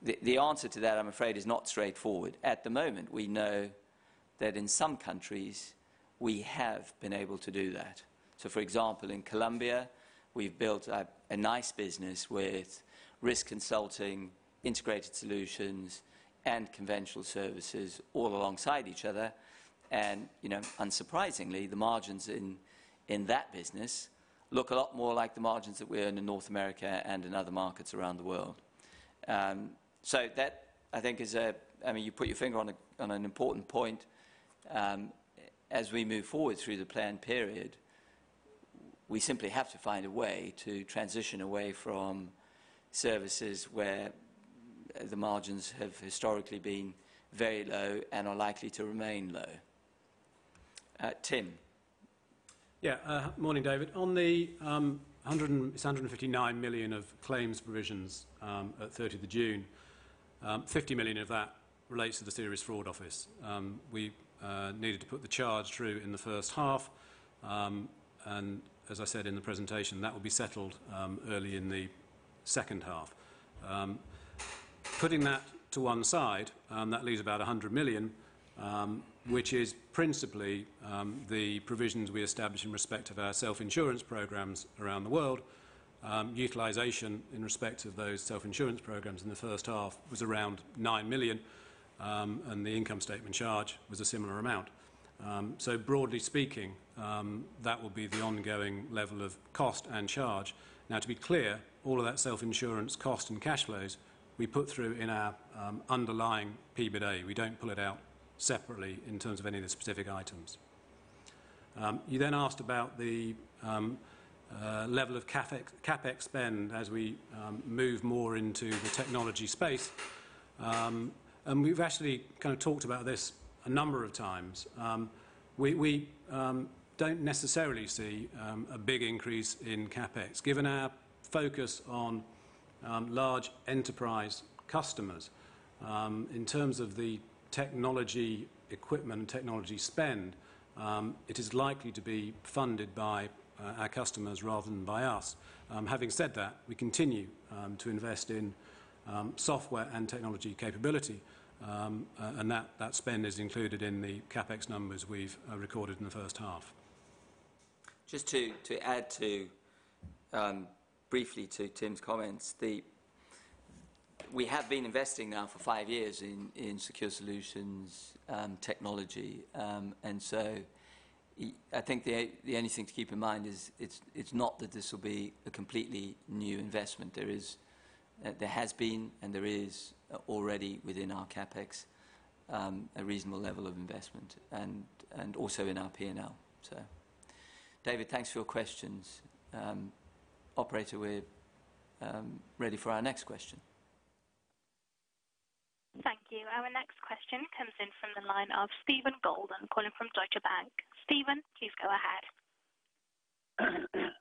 A: The answer to that, I'm afraid, is not straightforward. At the moment, we know that in some countries we have been able to do that. For example, in Colombia, we've built a nice business with Risk Consulting, Integrated Solutions, and conventional services all alongside each other. Unsurprisingly, the margins in that business look a lot more like the margins that we earn in North America and in other markets around the world. You put your finger on an important point. As we move forward through the plan period, we simply have to find a way to transition away from services where the margins have historically been very low and are likely to remain low. Tim.
B: Morning, David. On the 159 million of claims provisions at 30th of June, 50 million of that relates to the Serious Fraud Office. We needed to put the charge through in the first half, and as I said in the presentation, that will be settled early in the second half. Putting that to one side, that leaves about 100 million, which is principally the provisions we established in respect of our self-insurance programs around the world. Utilization in respect of those self-insurance programs in the first half was around 9 million, and the income statement charge was a similar amount. Broadly speaking, that will be the ongoing level of cost and charge. Now to be clear, all of that self-insurance cost and cash flows we put through in our underlying EBITDA. We don't pull it out separately in terms of any of the specific items. You then asked about the level of CapEx spend as we move more into the technology space. We've actually kind of talked about this a number of times. We don't necessarily see a big increase in CapEx. Given our focus on large enterprise customers, in terms of the technology equipment and technology spend, it is likely to be funded by our customers rather than by us. Having said that, we continue to invest in software and technology capability, and that spend is included in the CapEx numbers we've recorded in the first half.
A: Just to add briefly to Tim's comments, we have been investing now for five years in Secure Solutions and technology. I think the only thing to keep in mind is it's not that this will be a completely new investment. There has been and there is already within our CapEx, a reasonable level of investment, and also in our P&L. David, thanks for your questions. Operator, we're ready for our next question.
C: Thank you. Our next question comes in from the line of Steven Goulden calling from Deutsche Bank. Steven, please go ahead.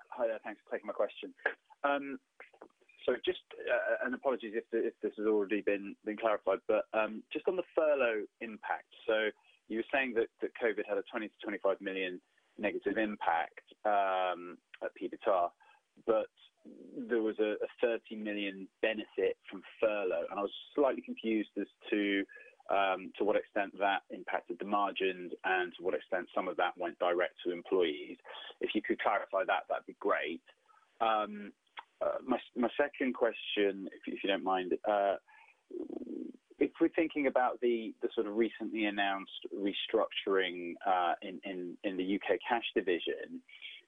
G: Hi there. Thanks for taking my question. Apologies if this has already been clarified, but just on the furlough impact. You were saying that COVID had a 20 million-25 million negative impact at EBITDA, but there was a 30 million benefit from furlough. I was slightly confused as to what extent that impacted the margins and to what extent some of that went direct to employees. If you could clarify that'd be great. My second question, if you don't mind, if we're thinking about the sort of recently announced restructuring in the U.K. cash division,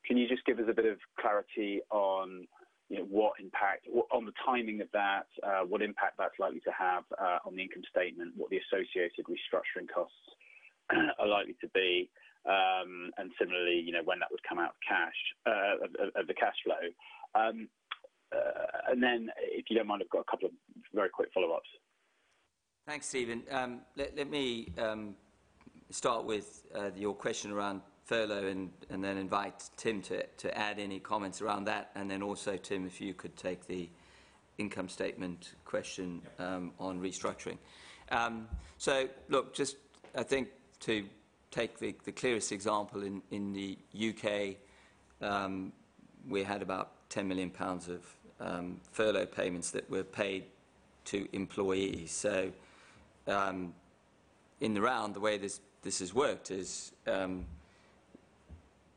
G: can you just give us a bit of clarity on the timing of that, what impact that's likely to have on the income statement, what the associated restructuring costs are likely to be, and similarly, when that would come out of the cash flow? If you don't mind, I've got a couple of very quick follow-ups.
A: Thanks, Steven. Let me start with your question around furlough and then invite Tim to add any comments around that, and then also, Tim, if you could take the income statement question.
B: Yeah
A: On restructuring. Look, just I think to take the clearest example in the U.K., we had about 10 million pounds of furlough payments that were paid to employees. In the round, the way this has worked is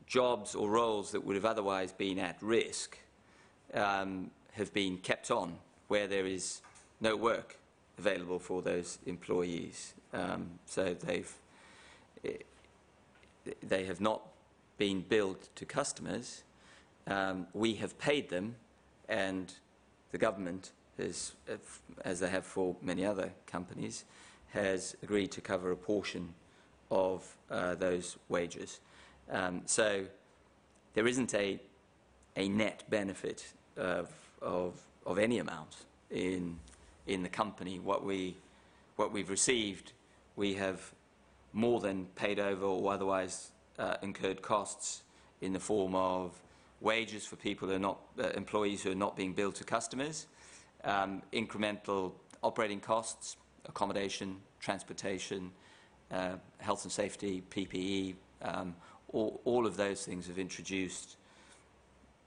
A: jobs or roles that would have otherwise been at risk have been kept on where there is no work available for those employees. They have not been billed to customers. We have paid them, and the government, as they have for many other companies, has agreed to cover a portion of those wages. There isn't a net benefit of any amount in the company. What we've received, we have more than paid over or otherwise incurred costs in the form of wages for employees who are not being billed to customers. Incremental operating costs, accommodation, transportation, health and safety, PPE, all of those things have introduced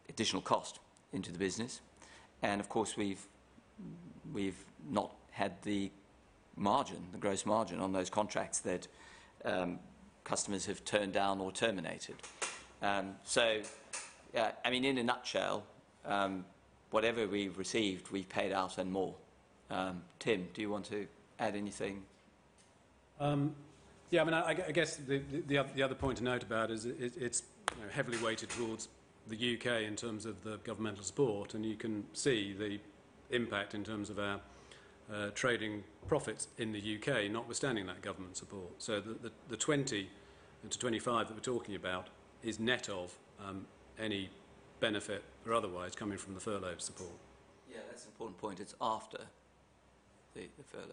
A: additional cost into the business. Of course, we've not had the gross margin on those contracts that customers have turned down or terminated. In a nutshell, whatever we've received, we've paid out and more. Tim, do you want to add anything?
B: I guess the other point to note about is it's heavily weighted towards the U.K. in terms of the governmental support, and you can see the impact in terms of our trading profits in the U.K., notwithstanding that government support. The 20 million-25 million that we're talking about is net of any benefit or otherwise coming from the furlough support.
A: Yeah, that's an important point. It's after the furlough.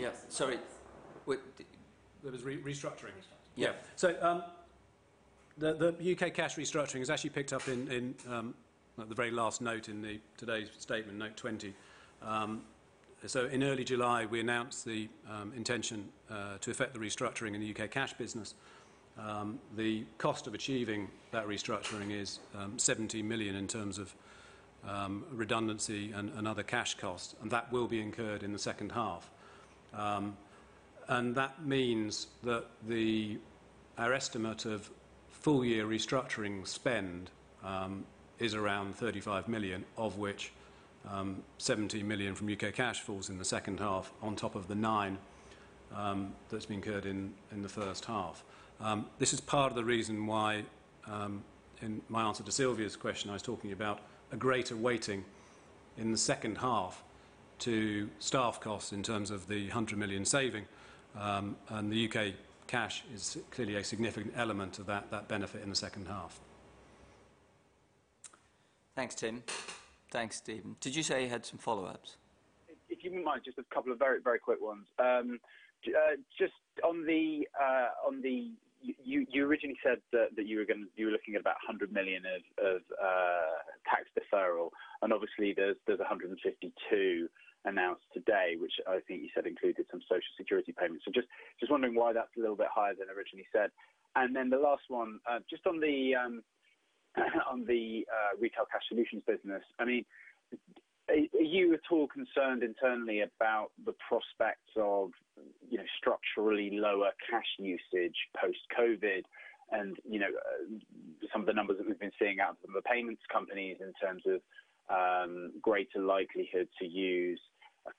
A: Yeah. Sorry.
B: There was restructuring.
A: Yeah.
B: The U.K. Cash restructuring is actually picked up in the very last note in today's statement, note 20. In early July, we announced the intention to effect the restructuring in the U.K. Cash business. The cost of achieving that restructuring is 17 million in terms of redundancy and other cash costs, that will be incurred in the second half. That means that our estimate of full-year restructuring spend is around 35 million, of which 17 million from U.K. cash falls in the second half on top of the 9 million that's been incurred in the first half. This is part of the reason why, in my answer to Sylvia's question, I was talking about a greater weighting in the second half to staff costs in terms of the 100 million saving, the U.K. cash is clearly a significant element of that benefit in the second half.
A: Thanks, Tim. Thanks, Steven. Did you say you had some follow-ups?
G: If you wouldn't mind, just a couple of very quick ones. You originally said that you were looking at about 100 million of tax deferral, obviously there's 152 million announced today, which I think you said included some Social Security payments. Just wondering why that's a little bit higher than originally said. The last one, just on the Retail Cash Solutions business. Are you at all concerned internally about the prospects of structurally lower cash usage post-COVID and some of the numbers that we've been seeing out from the payments companies in terms of greater likelihood to use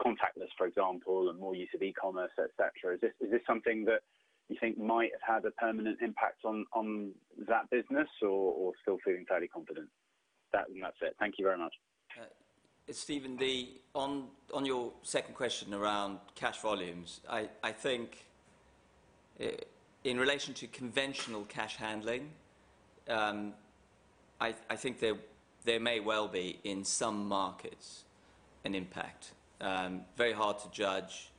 G: contactless, for example, and more use of e-commerce, et cetera? Is this something that you think might have had a permanent impact on that business or still feeling fairly confident? That's it. Thank you very much.
A: Steven, on your second question around cash volumes, I think in relation to conventional cash handling, I think there may well be, in some markets, an impact. Very hard to judge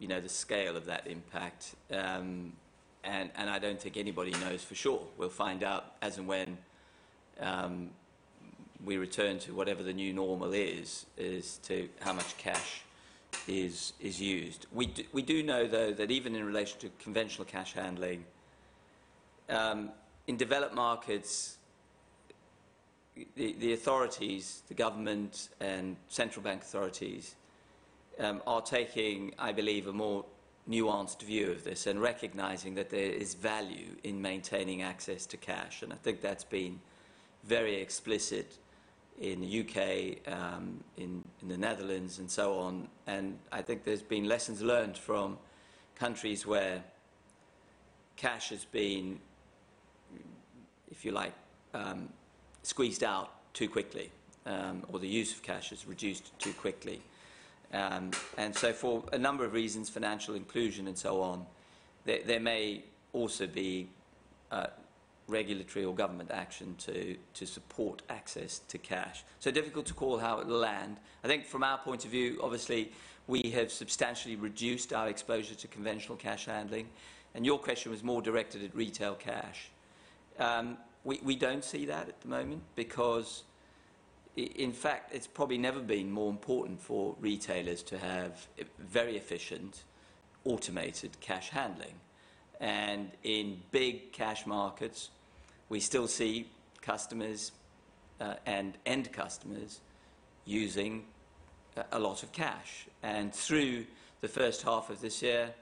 A: the scale of that impact, and I don't think anybody knows for sure. We'll find out as and when we return to whatever the new normal is as to how much cash is used. We do know, though, that even in relation to conventional cash handling, in developed markets, the authorities, the government and central bank authorities are taking, I believe, a more nuanced view of this and recognizing that there is value in maintaining access to cash. I think that's been very explicit in the U.K., in the Netherlands, and so on. I think there's been lessons learned from countries where cash has been, if you like, squeezed out too quickly, or the use of cash is reduced too quickly. For a number of reasons, financial inclusion and so on, there may also be regulatory or government action to support access to cash. Difficult to call how it will land. I think from our point of view, obviously, we have substantially reduced our exposure to conventional cash handling, and your question was more directed at retail cash. We don't see that at the moment because, in fact, it's probably never been more important for retailers to have very efficient automated cash handling. In big cash markets, we still see customers and end customers using a lot of cash. Through the first half of this year,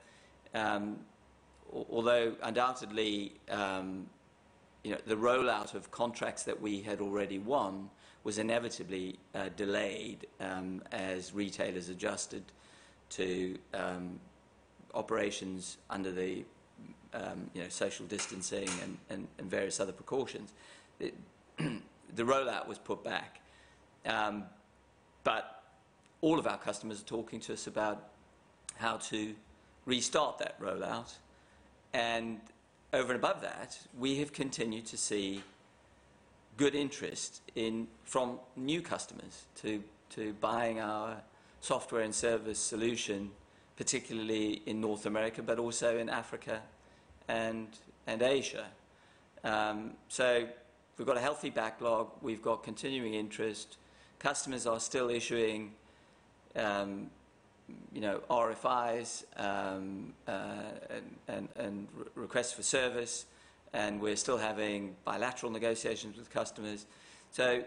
A: although undoubtedly, the rollout of contracts that we had already won was inevitably delayed as retailers adjusted to operations under the social distancing and various other precautions. The rollout was put back. All of our customers are talking to us about how to restart that rollout. Over and above that, we have continued to see good interest from new customers to buying our software and service solution, particularly in North America, but also in Africa and Asia. We've got a healthy backlog. We've got continuing interest. Customers are still issuing RFIs and requests for service, and we're still having bilateral negotiations with customers. I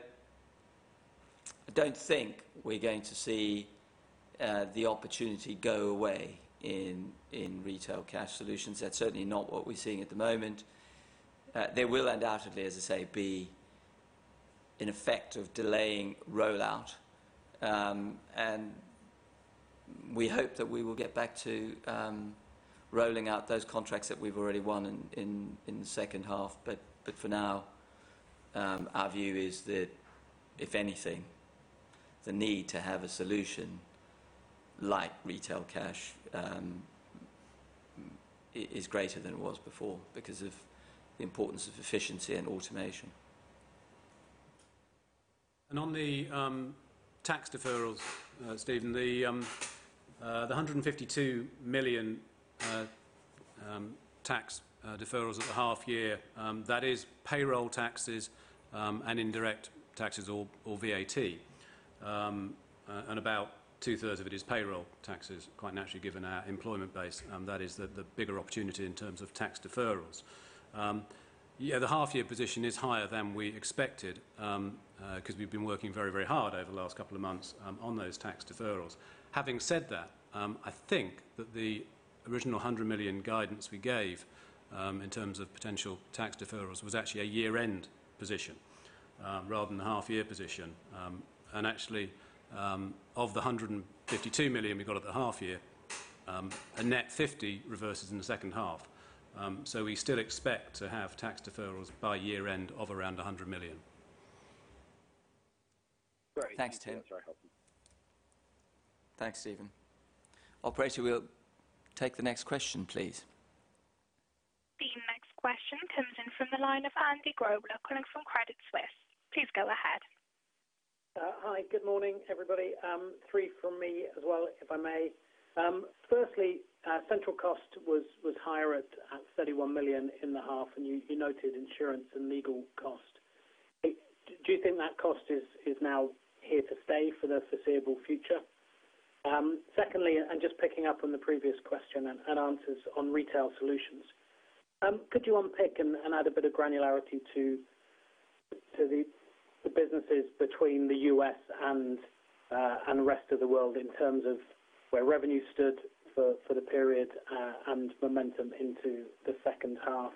A: don't think we're going to see the opportunity go away in Retail Cash Solutions. That's certainly not what we're seeing at the moment. There will undoubtedly, as I say, be an effect of delaying rollout. We hope that we will get back to rolling out those contracts that we've already won in the second half. For now, our view is that, if anything, the need to have a solution like Retail Cash Solutions is greater than it was before because of the importance of efficiency and automation.
B: On the tax deferrals, Steven, the 152 million tax deferrals at the half year, that is payroll taxes and indirect taxes or VAT. About 2/3 of it is payroll taxes, quite naturally, given our employment base. That is the bigger opportunity in terms of tax deferrals. The half year position is higher than we expected because we have been working very hard over the last couple of months on those tax deferrals. Having said that, I think that the original 100 million guidance we gave in terms of potential tax deferrals was actually a year-end position rather than a half year position. Actually, of the 152 million we got at the half year, a net 50 reverses in the second half. We still expect to have tax deferrals by year end of around 100 million.
G: Great.
A: Thanks, Tim. Thanks, Steven. Operator, we'll take the next question, please.
C: The next question comes in from the line of Andy Grobler calling from Credit Suisse. Please go ahead.
H: Hi. Good morning, everybody. Three from me as well, if I may. Firstly, central cost was higher at 31 million in the half. You noted insurance and legal cost. Do you think that cost is now here to stay for the foreseeable future? Secondly, just picking up on the previous question and answers on Retail Solutions, could you unpick and add a bit of granularity to the businesses between the U.S. and the rest of the world in terms of where revenue stood for the period and momentum into the second half?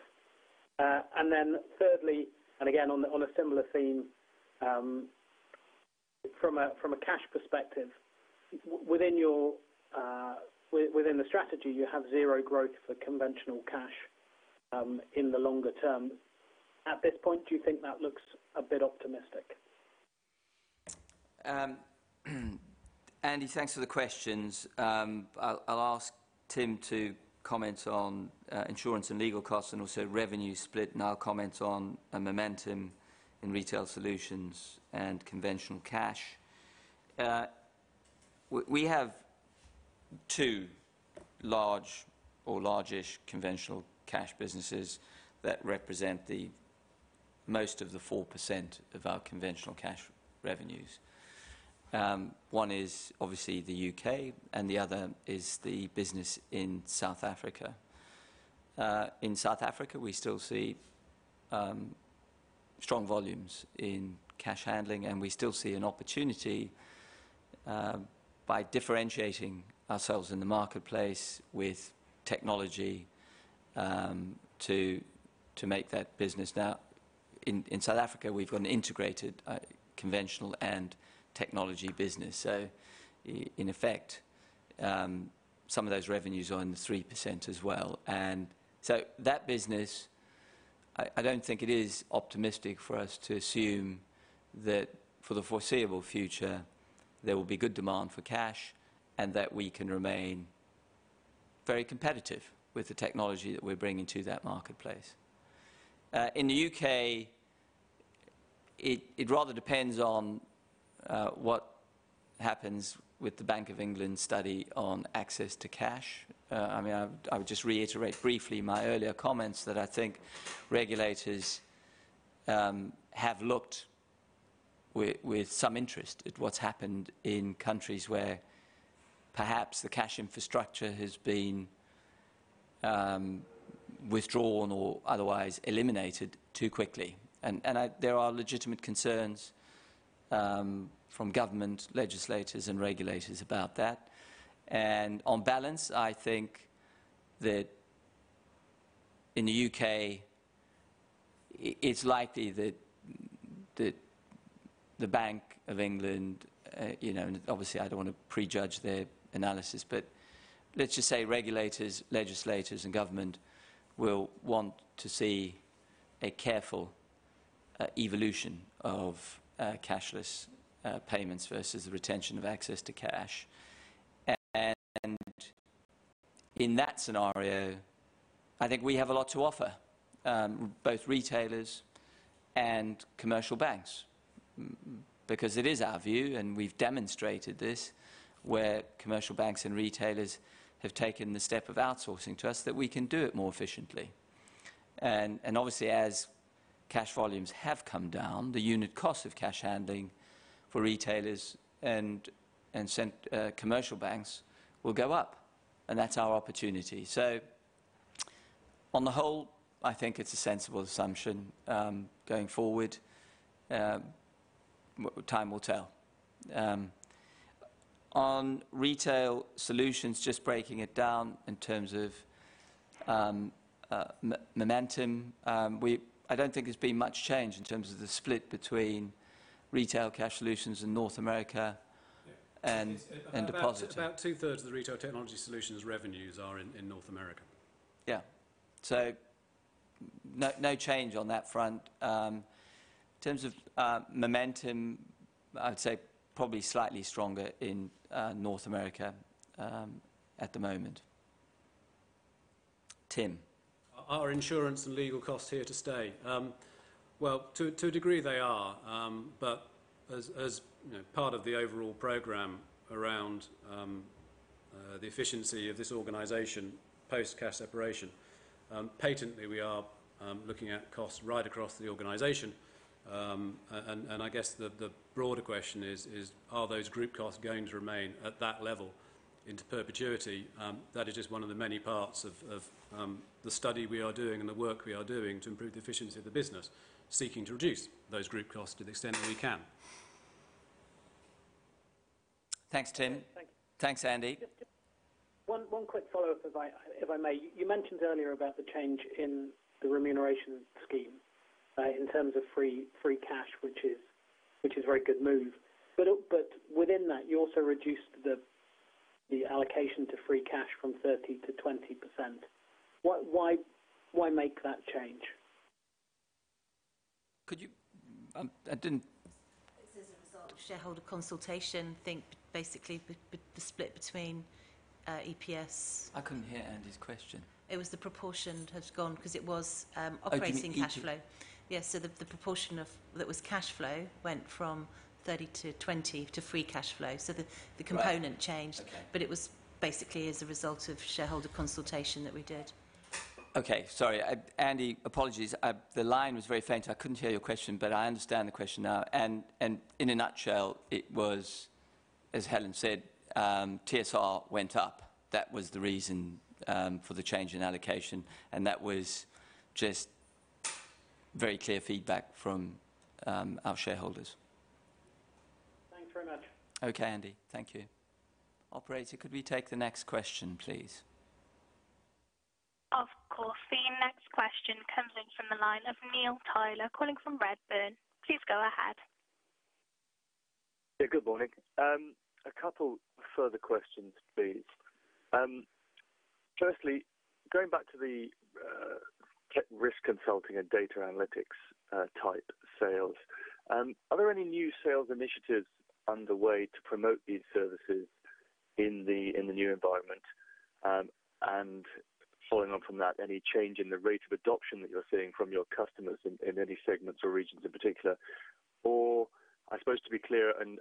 H: Thirdly, again on a similar theme, from a cash perspective within the strategy you have zero growth for conventional cash in the longer term. At this point, do you think that looks a bit optimistic?
A: Andy, thanks for the questions. I'll ask Tim to comment on insurance and legal costs and also revenue split, and I'll comment on momentum in Retail Solutions and conventional cash. We have two large or largish conventional cash businesses that represent the most of the 4% of our conventional cash revenues. One is obviously the U.K. and the other is the business in South Africa. In South Africa, we still see strong volumes in cash handling, and we still see an opportunity by differentiating ourselves in the marketplace with technology to make that business. Now in South Africa, we've got an integrated conventional and technology business. In effect some of those revenues are in the 3% as well. That business, I don't think it is optimistic for us to assume that for the foreseeable future there will be good demand for cash and that we can remain very competitive with the technology that we're bringing to that marketplace. In the U.K., it rather depends on what happens with the Bank of England study on access to cash. I would just reiterate briefly my earlier comments that I think regulators have looked with some interest at what's happened in countries where perhaps the cash infrastructure has been withdrawn or otherwise eliminated too quickly. There are legitimate concerns from government legislators and regulators about that. On balance, I think that in the U.K. it's likely that the Bank of England, obviously I don't want to prejudge their analysis, but let's just say regulators, legislators, and government will want to see a careful evolution of cashless payments versus the retention of access to cash. In that scenario, I think we have a lot to offer both retailers and commercial banks. It is our view, and we've demonstrated this where commercial banks and retailers have taken the step of outsourcing to us, that we can do it more efficiently. Obviously as cash volumes have come down, the unit cost of cash handling for retailers and commercial banks will go up and that's our opportunity. On the whole, I think it's a sensible assumption, going forward. Time will tell. On Retail Solutions, just breaking it down in terms of momentum. I don't think there's been much change in terms of the split between Retail Cash Solutions in North America and deposit.
B: About 2/3 of the Retail Technology Solutions revenues are in North America.
A: Yeah. No change on that front. In terms of momentum, I'd say probably slightly stronger in North America at the moment. Tim.
B: Are insurance and legal costs here to stay? Well, to a degree they are. As part of the overall program around the efficiency of this organization post cash separation, patently we are looking at costs right across the organization. I guess the broader question is, are those group costs going to remain at that level into perpetuity? That is just one of the many parts of the study we are doing and the work we are doing to improve the efficiency of the business, seeking to reduce those group costs to the extent that we can.
A: Thanks, Tim.
H: Thank you.
A: Thanks, Andy.
H: Just one quick follow-up if I may. You mentioned earlier about the change in the remuneration scheme, in terms of free cash, which is a very good move. Within that, you also reduced the allocation to free cash from 30% to 20%. Why make that change?
A: Could you.
D: It's as a result of shareholder consultation. Think basically the split between EPS-
A: I couldn't hear Andy's question.
D: It was the proportion had gone because it was operating cash flow.
A: Oh.
D: Yeah. The proportion that was cash flow went from 30 to 20 to free cash flow. The component changed.
A: Right. Okay.
D: It was basically as a result of shareholder consultation that we did.
A: Okay. Sorry, Andy. Apologies. The line was very faint, I couldn't hear your question, but I understand the question now. In a nutshell, it was, as Helen said, TSR went up. That was the reason for the change in allocation, and that was just very clear feedback from our shareholders.
H: Thanks very much.
A: Okay, Andy. Thank you. Operator, could we take the next question, please?
C: Of course. The next question comes in from the line of Neil Tyler, calling from Redburn. Please go ahead.
I: Yeah, good morning. A couple further questions, please. Firstly, going back to the tech Risk Consulting and Data Analytics type sales, are there any new sales initiatives underway to promote these services in the new environment? Following on from that, any change in the rate of adoption that you're seeing from your customers in any segments or regions in particular? I suppose to be clear and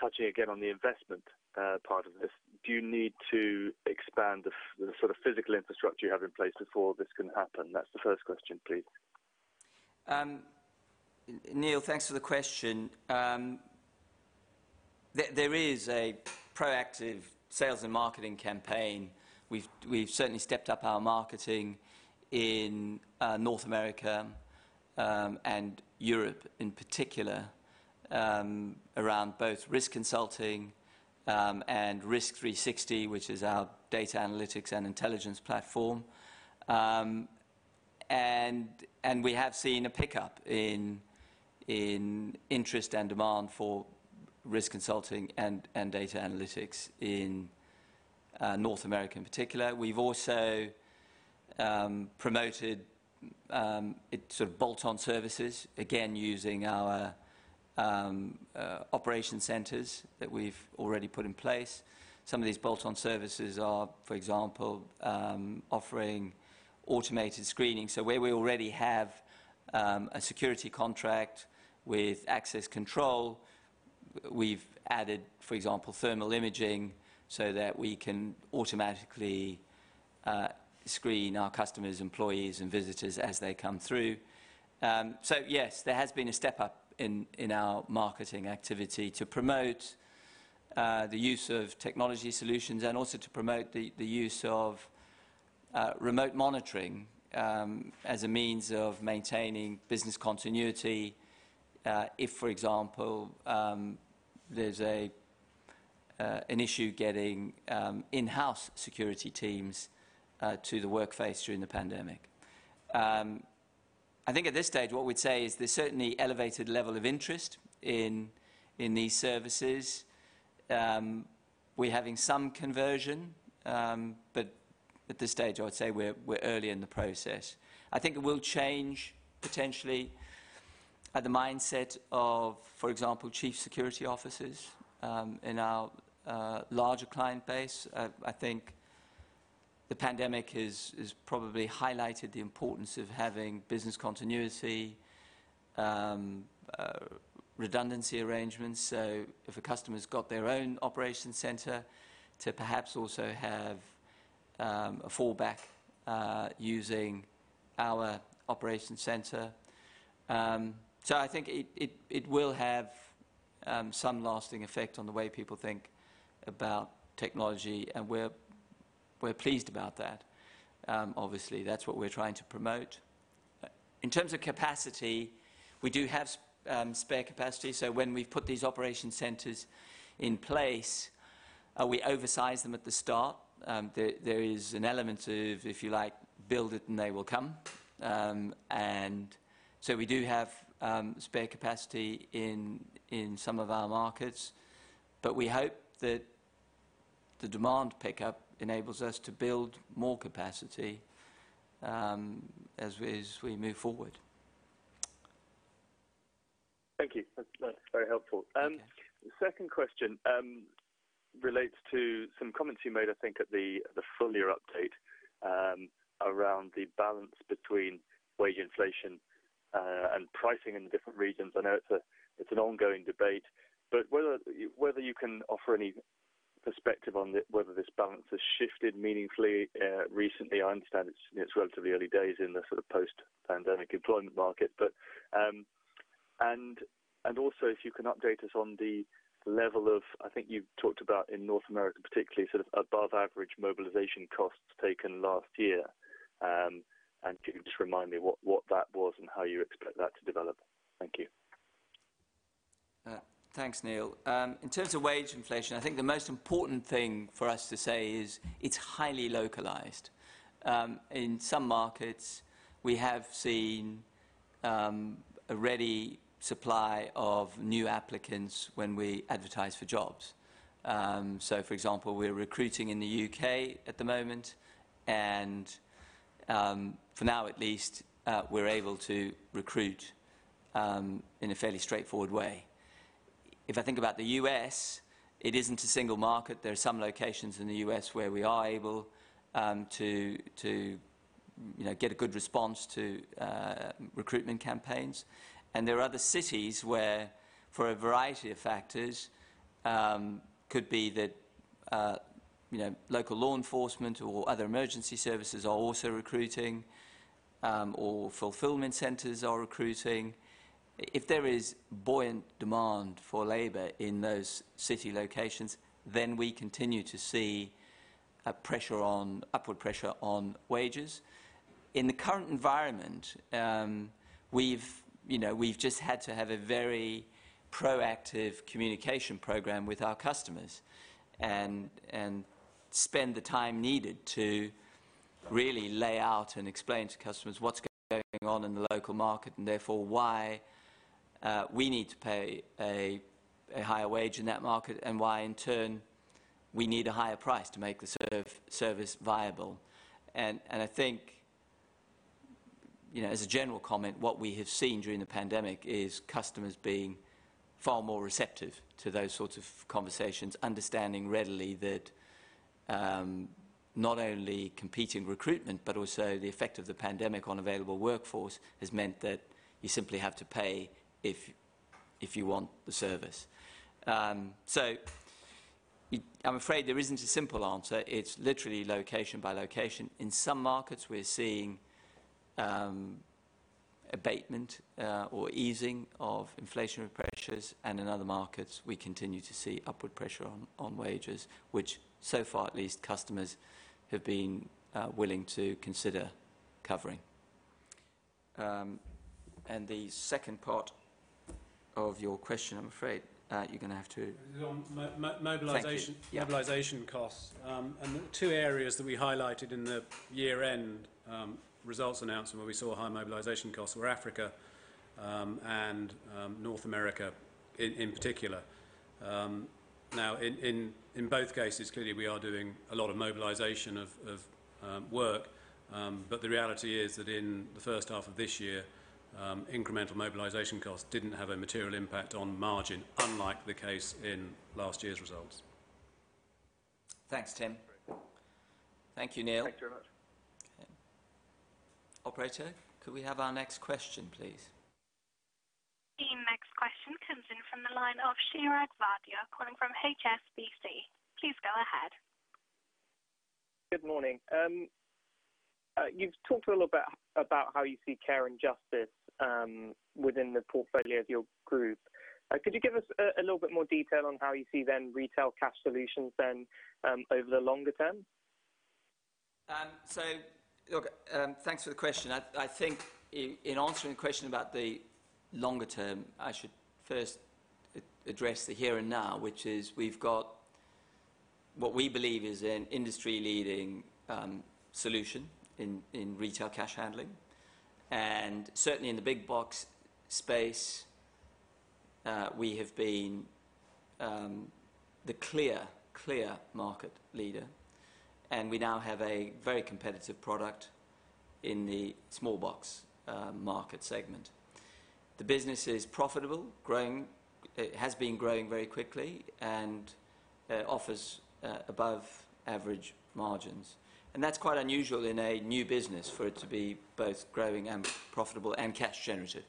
I: touching again on the investment part of this, do you need to expand the sort of physical infrastructure you have in place before this can happen? That's the first question, please.
A: Neil, thanks for the question. There is a proactive sales and marketing campaign. We've certainly stepped up our marketing in North America, and Europe in particular, around both Risk Consulting, and RISK360, which is our data analytics and intelligence platform. We have seen a pickup in interest and demand for Risk Consulting and Data Analytics in North America in particular. We've also promoted bolt-on services, again, using our operation centers that we've already put in place. Some of these bolt-on services are, for example, offering automated screening. Where we already have a security contract with access control, we've added, for example, thermal imaging so that we can automatically screen our customers, employees, and visitors as they come through. Yes, there has been a step up in our marketing activity to promote the use of technology solutions and also to promote the use of remote monitoring as a means of maintaining business continuity. If, for example, there's an issue getting in-house security teams to the workplace during the pandemic. At this stage, what we'd say is there's certainly elevated level of interest in these services. We're having some conversion, but at this stage I'd say we're early in the process. It will change potentially at the mindset of, for example, chief security officers, in our larger client base. The pandemic has probably highlighted the importance of having business continuity, redundancy arrangements. If a customer's got their own operation center, to perhaps also have a fallback using our operation center. I think it will have some lasting effect on the way people think about technology, and we're pleased about that. Obviously, that's what we're trying to promote. In terms of capacity, we do have spare capacity, so when we put these operation centers in place, we oversize them at the start. There is an element of, if you like, build it and they will come. We do have spare capacity in some of our markets, but we hope that the demand pickup enables us to build more capacity as we move forward.
I: Thank you. That's very helpful.
A: Okay.
I: Second question relates to some comments you made, I think at the full year update, around the balance between wage inflation, and pricing in the different regions. I know it's an ongoing debate, but whether you can offer any perspective on whether this balance has shifted meaningfully recently. I understand it's relatively early days in the sort of post-pandemic employment market, and also if you can update us on the level of, I think you talked about in North America particularly, sort of above average mobilization costs taken last year. Could you just remind me what that was and how you expect that to develop? Thank you.
A: Thanks, Neil. In terms of wage inflation, I think the most important thing for us to say is it's highly localized. In some markets we have seen a ready supply of new applicants when we advertise for jobs. For example, we're recruiting in the U.K. at the moment, for now at least, we're able to recruit in a fairly straightforward way. If I think about the U.S., it isn't a single market. There are some locations in the U.S. where we are able to get a good response to recruitment campaigns. There are other cities where, for a variety of factors, could be that local law enforcement or other emergency services are also recruiting, or fulfillment centers are recruiting. If there is buoyant demand for labor in those city locations, we continue to see upward pressure on wages. In the current environment, we've just had to have a very proactive communication program with our customers and spend the time needed to really lay out and explain to customers what's going on in the local market, and therefore, why we need to pay a higher wage in that market, and why in turn, we need a higher price to make the service viable. I think, as a general comment, what we have seen during the pandemic is customers being far more receptive to those sorts of conversations, understanding readily that, not only competing recruitment, but also the effect of the pandemic on available workforce, has meant that you simply have to pay if you want the service. I'm afraid there isn't a simple answer. It's literally location by location. In some markets, we're seeing abatement or easing of inflationary pressures, and in other markets we continue to see upward pressure on wages, which so far at least, customers have been willing to consider covering. The second part of your question, I'm afraid, you're going to have to.
B: It was on mobilization.
A: Thank you. Yeah.
B: Mobilization costs. The two areas that we highlighted in the year-end results announcement where we saw high mobilization costs were Africa and North America in particular. In both cases, clearly we are doing a lot of mobilization of work. The reality is that in the first half of this year, incremental mobilization costs didn't have a material impact on margin, unlike the case in last year's results.
A: Thanks, Tim. Thank you, Neil.
I: Thanks very much.
A: Okay. Operator, could we have our next question, please?
C: The next question comes in from the line of Chirag Vadhia calling from HSBC. Please go ahead.
J: Good morning. You've talked a little bit about how you see Care and Justice within the portfolio of your group. Could you give us a little bit more detail on how you see then Retail Cash Solutions then over the longer term?
A: Look, thanks for the question. I think in answering the question about the longer term, I should first address the here and now, which is we've got what we believe is an industry-leading solution in retail cash handling. Certainly, in the big box space, we have been the clear market leader, and we now have a very competitive product in the small box market segment. The business is profitable, it has been growing very quickly, and offers above-average margins. That's quite unusual in a new business for it to be both growing and profitable and cash generative.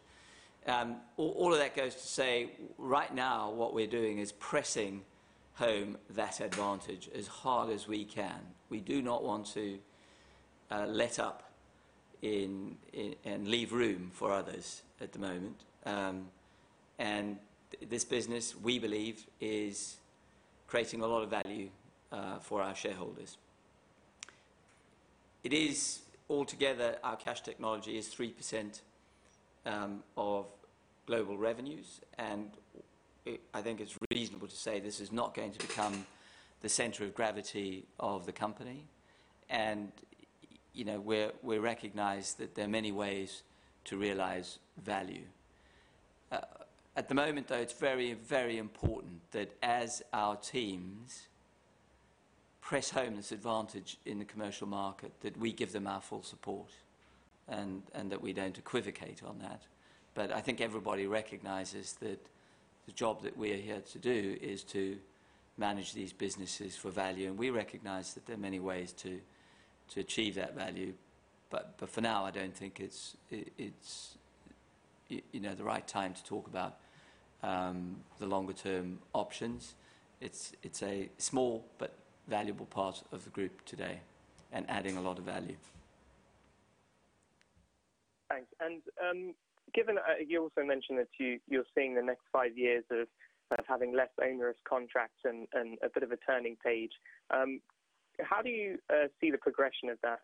A: All of that goes to say, right now what we're doing is pressing home that advantage as hard as we can. We do not want to let up and leave room for others at the moment. This business, we believe, is creating a lot of value for our shareholders. Altogether, our cash technology is 3% of global revenues, and I think it's reasonable to say this is not going to become the center of gravity of the company. We recognize that there are many ways to realize value. At the moment, though, it's very, very important that as our teams press home this advantage in the commercial market, that we give them our full support and that we don't equivocate on that. I think everybody recognizes that the job that we are here to do is to manage these businesses for value, and we recognize that there are many ways to achieve that value. For now, I don't think it's the right time to talk about the longer-term options. It's a small but valuable part of the group today and adding a lot of value.
J: Thanks. Given you also mentioned that you're seeing the next five years of having less onerous contracts and a bit of a turning page, how do you see the progression of that?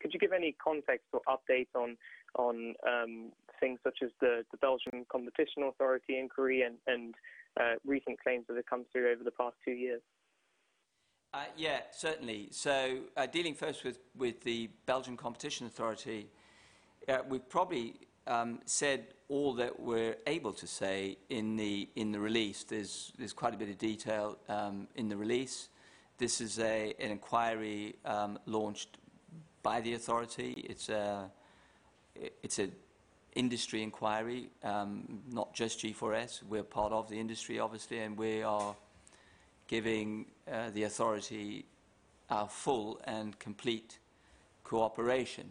J: Could you give any context or updates on things such as the Belgian Competition Authority inquiry and recent claims that have come through over the past two years?
A: Yeah, certainly. Dealing first with the Belgian Competition Authority, we've probably said all that we're able to say in the release. There's quite a bit of detail in the release. This is an inquiry launched by the authority. It's an industry inquiry, not just G4S. We're part of the industry, obviously, and we are giving the authority our full and complete cooperation.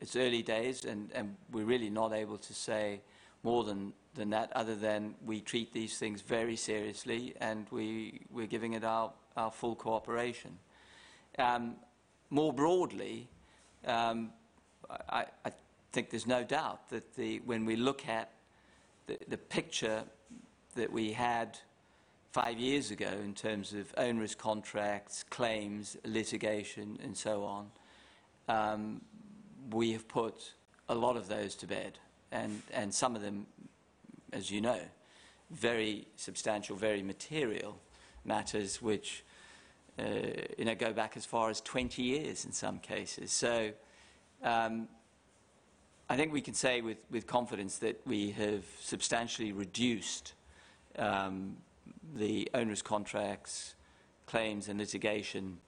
A: It's early days, and we're really not able to say more than that other than we treat these things very seriously and we're giving it our full cooperation. More broadly, I think there's no doubt that when we look at the picture that we had five years ago in terms of onerous contracts, claims, litigation, and so on, we have put a lot of those to bed. Some of them, as you know, very substantial, very material matters which go back as far as 20 years in some cases. I think we can say with confidence that we have substantially reduced the onerous contracts, claims, and litigation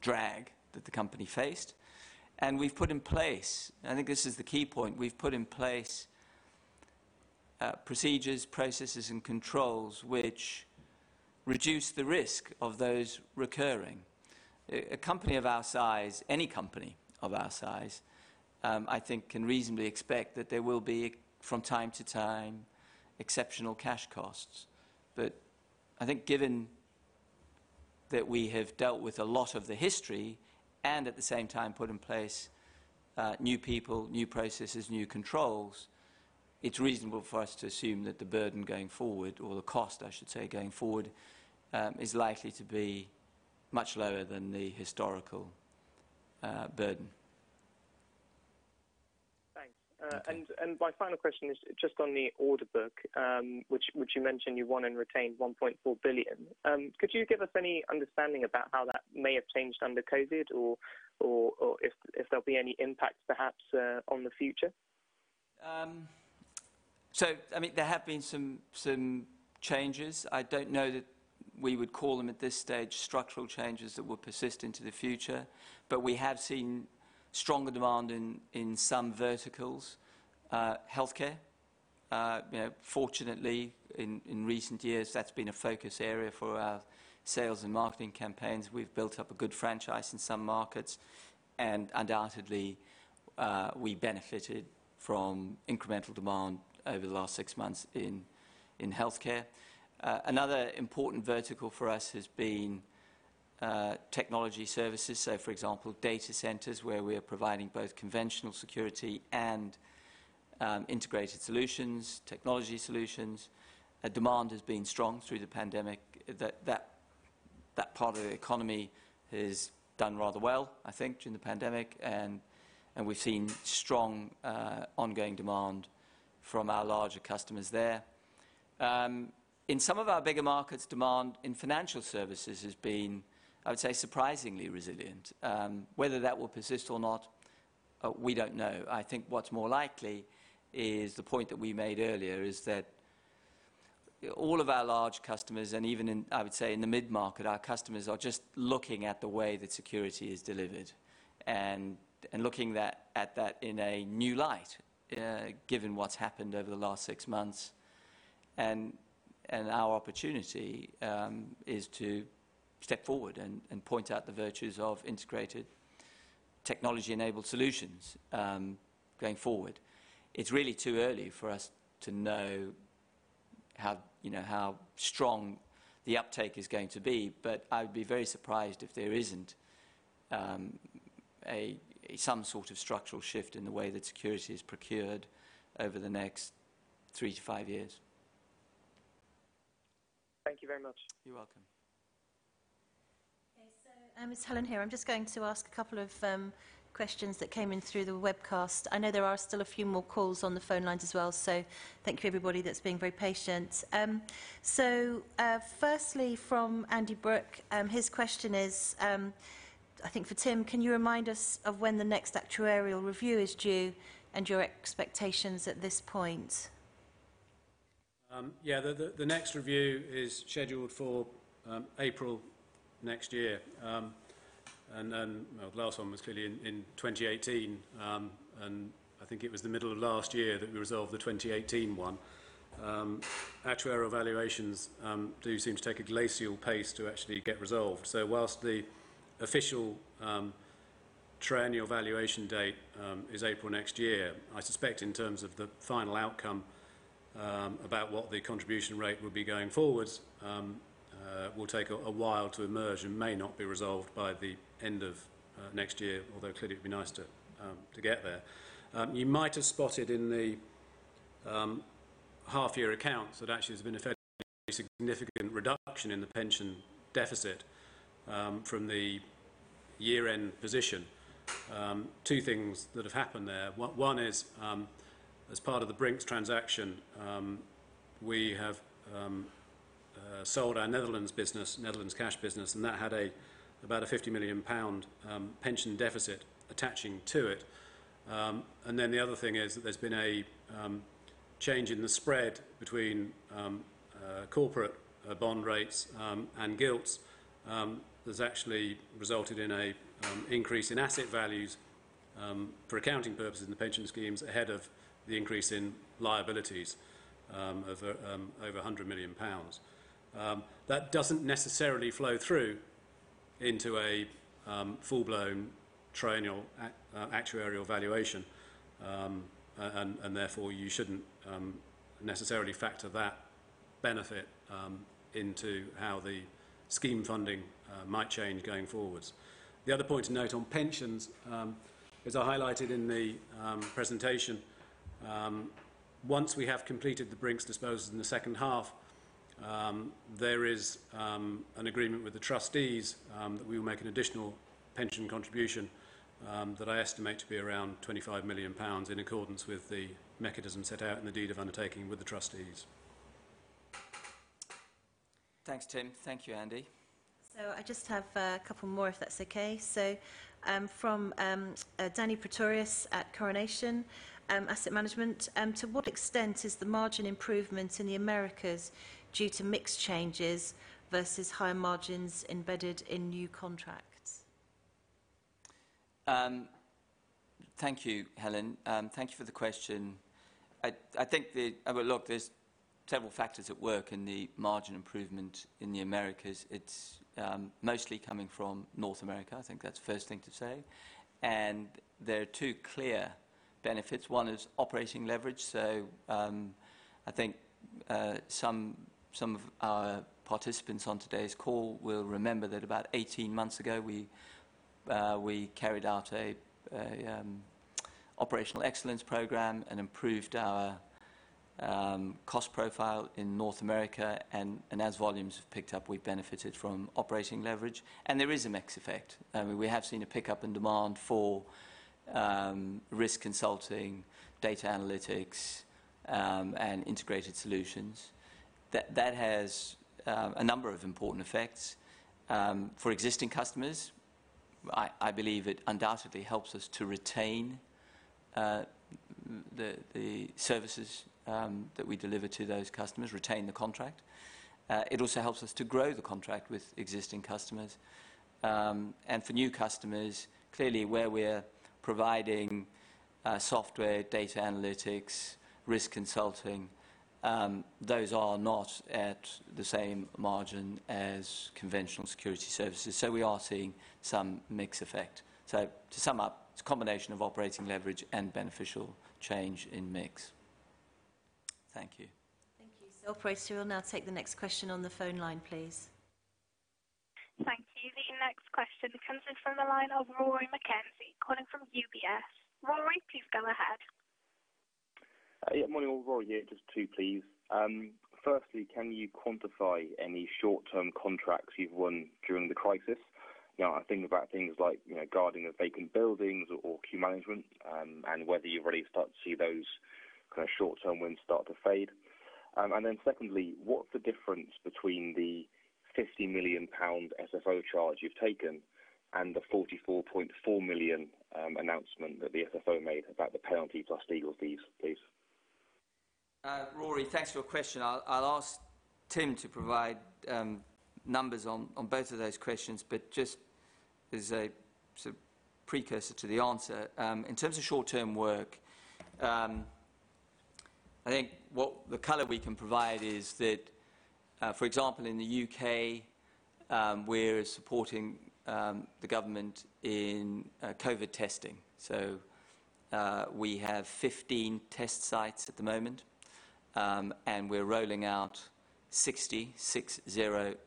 A: drag that the company faced. We've put in place, I think this is the key point, we've put in place procedures, processes, and controls which reduce the risk of those recurring. A company of our size, any company of our size, I think can reasonably expect that there will be, from time to time, exceptional cash costs. I think given that we have dealt with a lot of the history, and at the same time put in place new people, new processes, new controls, it's reasonable for us to assume that the burden going forward, or the cost I should say, going forward, is likely to be much lower than the historical burden.
J: Thanks. My final question is just on the order book, which you mentioned you won and retained 1.4 billion. Could you give us any understanding about how that may have changed under COVID-19 or if there'll be any impact perhaps on the future?
A: There have been some changes. I don't know that we would call them at this stage structural changes that will persist into the future, but we have seen stronger demand in some verticals. Healthcare, fortunately, in recent years, that's been a focus area for our sales and marketing campaigns. We've built up a good franchise in some markets. Undoubtedly, we benefited from incremental demand over the last six months in healthcare. Another important vertical for us has been technology services. For example, data centers where we are providing both Conventional Security and Integrated Solutions, Technology Solutions. Demand has been strong through the pandemic. That part of the economy has done rather well, I think, during the pandemic, and we've seen strong ongoing demand from our larger customers there. In some of our bigger markets, demand in financial services has been, I would say, surprisingly resilient. Whether that will persist or not, we don't know. I think what's more likely is the point that we made earlier is that all of our large customers, and even in, I would say in the mid-market, our customers are just looking at the way that security is delivered and looking at that in a new light, given what's happened over the last six months. Our opportunity is to step forward and point out the virtues of Integrated Technology-Enabled Solutions going forward. It's really too early for us to know how strong the uptake is going to be. I would be very surprised if there isn't some sort of structural shift in the way that security is procured over the next three to five years.
J: Thank you very much.
A: You're welcome.
D: Okay, it's Helen here. I am just going to ask a couple of questions that came in through the webcast. I know there are still a few more calls on the phone lines as well. Thank you everybody that has been very patient. Firstly, from Andy Brooke, his question is, I think for Tim, can you remind us of when the next actuarial review is due and your expectations at this point?
B: The next review is scheduled for April next year. Then the last one was clearly in 2018. I think it was the middle of last year that we resolved the 2018 one. Actuarial valuations do seem to take a glacial pace to actually get resolved. Whilst the official triennial valuation date is April next year, I suspect in terms of the final outcome about what the contribution rate would be going forwards will take a while to emerge and may not be resolved by the end of next year, although clearly it would be nice to get there. You might have spotted in the half-year accounts that actually there's been a fairly significant reduction in the pension deficit from the year-end position. Two things that have happened there. One is as part of the Brink's transaction, we have sold our Netherlands cash business, and that had about a 50 million pound pension deficit attaching to it. The other thing is that there's been a change in the spread between corporate bond rates and gilts that's actually resulted in an increase in asset values for accounting purposes in the pension schemes ahead of the increase in liabilities of over 100 million pounds. That doesn't necessarily flow through into a full-blown triennial actuarial valuation. Therefore you shouldn't necessarily factor that benefit into how the scheme funding might change going forwards. The other point to note on pensions, as I highlighted in the presentation, once we have completed the Brink's disposals in the second half, there is an agreement with the trustees that we will make an additional pension contribution that I estimate to be around 25 million pounds in accordance with the mechanism set out in the deed of undertaking with the trustees.
A: Thanks, Tim. Thank you, Andy.
D: I just have a couple more if that's okay. From Danie Pretorius at Coronation Asset Management, to what extent is the margin improvement in the Americas due to mix changes versus higher margins embedded in new contracts?
A: Thank you, Helen. Thank you for the question. There's several factors at work in the margin improvement in the Americas. It's mostly coming from North America. I think that's the first thing to say. There are two clear benefits. One is operating leverage. I think some of our participants on today's call will remember that about 18 months ago, we carried out a operational excellence program and improved our cost profile in North America. As volumes have picked up, we've benefited from operating leverage. There is a mix effect. We have seen a pickup in demand for Risk Consulting, Data Analytics, and Integrated Solutions. That has a number of important effects. For existing customers, I believe it undoubtedly helps us to retain the services that we deliver to those customers, retain the contract. It also helps us to grow the contract with existing customers. For new customers, clearly where we are providing software Data Analytics, Risk Consulting, those are not at the same margin as conventional security services. We are seeing some mix effect. To sum up, it's a combination of operating leverage and beneficial change in mix. Thank you.
D: Thank you. Operator, we will now take the next question on the phone line, please.
C: Thank you. The next question comes in from the line of Rory McKenzie calling from UBS. Rory, please go ahead.
K: Morning all. Rory here. Just two please. Firstly, can you quantify any short-term contracts you've won during the crisis? I think about things like guarding of vacant buildings or queue management, and whether you've already started to see those kind of short-term wins start to fade. Secondly, what's the difference between the 50 million pound SFO charge you've taken and the 44.4 million announcement that the SFO made about the penalty plus legal fees, please?
A: Rory, thanks for your question. I'll ask Tim to provide numbers on both of those questions, but just as a sort of precursor to the answer. In terms of short-term work, I think the color we can provide is that, for example, in the U.K. we're supporting the government in COVID testing. We have 15 test sites at the moment, and we're rolling out 60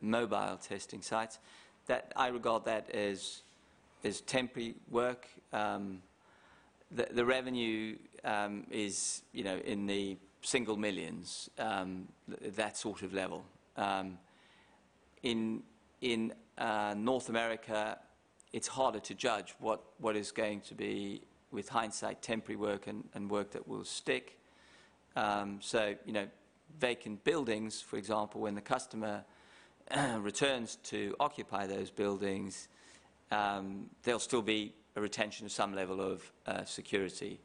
A: mobile testing sites. I regard that as temporary work. The revenue is in the single millions of GBP, that sort of level. In North America, it's harder to judge what is going to be, with hindsight, temporary work and work that will stick. Vacant buildings, for example, when the customer returns to occupy those buildings, there'll still be a retention of some level of security.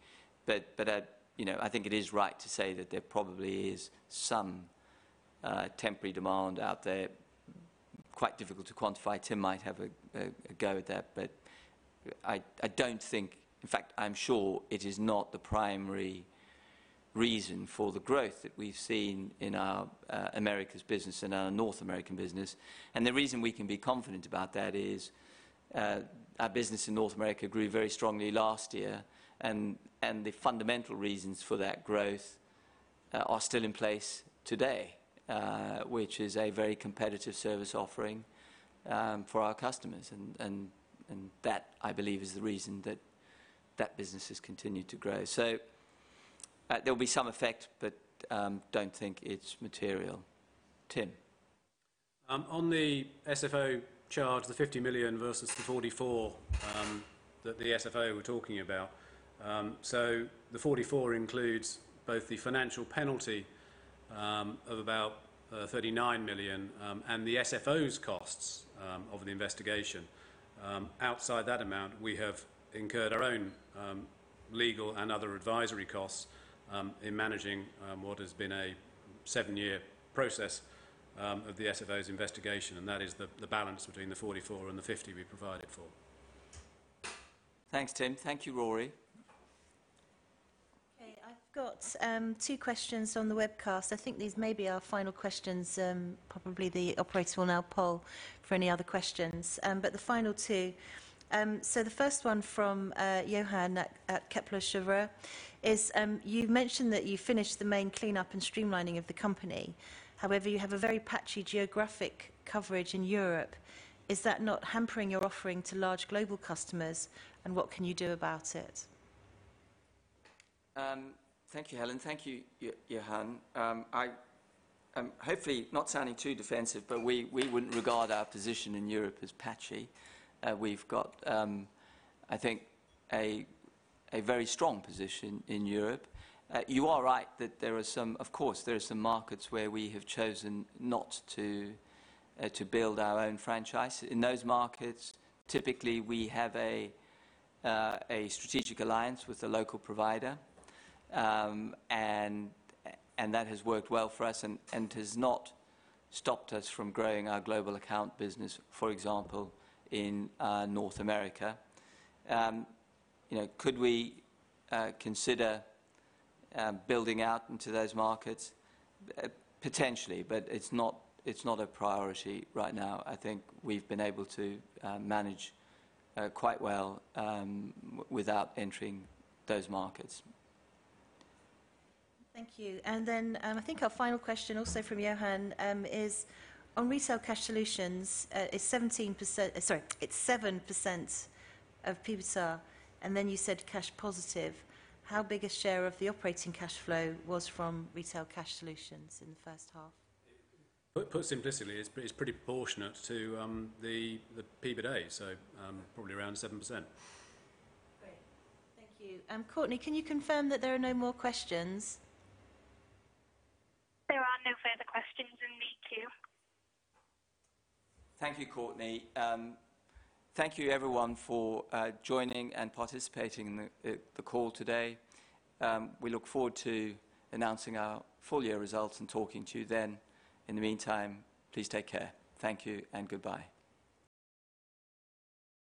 A: I think it is right to say that there probably is some temporary demand out there. Quite difficult to quantify. Tim might have a go at that, but I don't think, in fact, I'm sure it is not the primary reason for the growth that we've seen in our Americas business and our North American business. The reason we can be confident about that is, our business in North America grew very strongly last year and the fundamental reasons for that growth are still in place today, which is a very competitive service offering for our customers. That, I believe is the reason that that business has continued to grow. There'll be some effect, but don't think it's material. Tim.
B: On the SFO charge, the 50 million versus the 44 that the SFO were talking about. The 44 includes both the financial penalty of about 39 million, and the SFO's costs of the investigation. Outside that amount we have incurred our own legal and other advisory costs in managing what has been a seven-year process of the SFO's investigation, and that is the balance between the 44 and the 50 we provided for.
A: Thanks, Tim. Thank you, Rory.
D: Okay. I've got two questions from the webcast. I think these may be our final questions. Probably the operator will now poll for any other questions. The final two. The first one from Johan at Kepler Cheuvreux is, you mentioned that you finished the main cleanup and streamlining of the company. However, you have a very patchy geographic coverage in Europe. Is that not hampering your offering to large global customers, and what can you do about it?
A: Thank you, Helen. Thank you, Johan. I am hopefully not sounding too defensive, but we wouldn't regard our position in Europe as patchy. We've got, I think, a very strong position in Europe. You are right that there are some, of course, there are some markets where we have chosen not to build our own franchise. In those markets, typically we have a strategic alliance with a local provider, and that has worked well for us and has not stopped us from growing our global account business, for example, in North America. Could we consider building out into those markets? Potentially, but it's not a priority right now. I think we've been able to manage quite well without entering those markets.
D: Thank you. I think our final question, also from Johan, is on Retail Cash Solutions, it's 7% of EBITDA, and then you said cash positive. How big a share of the operating cash flow was from Retail Cash Solutions in the first half?
B: Put simplistically, it's pretty proportionate to the EBITDA, so probably around 7%.
D: Great. Thank you. Courtney, can you confirm that there are no more questions?
C: There are no further questions in the queue.
A: Thank you, Courtney. Thank you everyone for joining and participating in the call today. We look forward to announcing our full year results and talking to you then. In the meantime, please take care. Thank you and goodbye.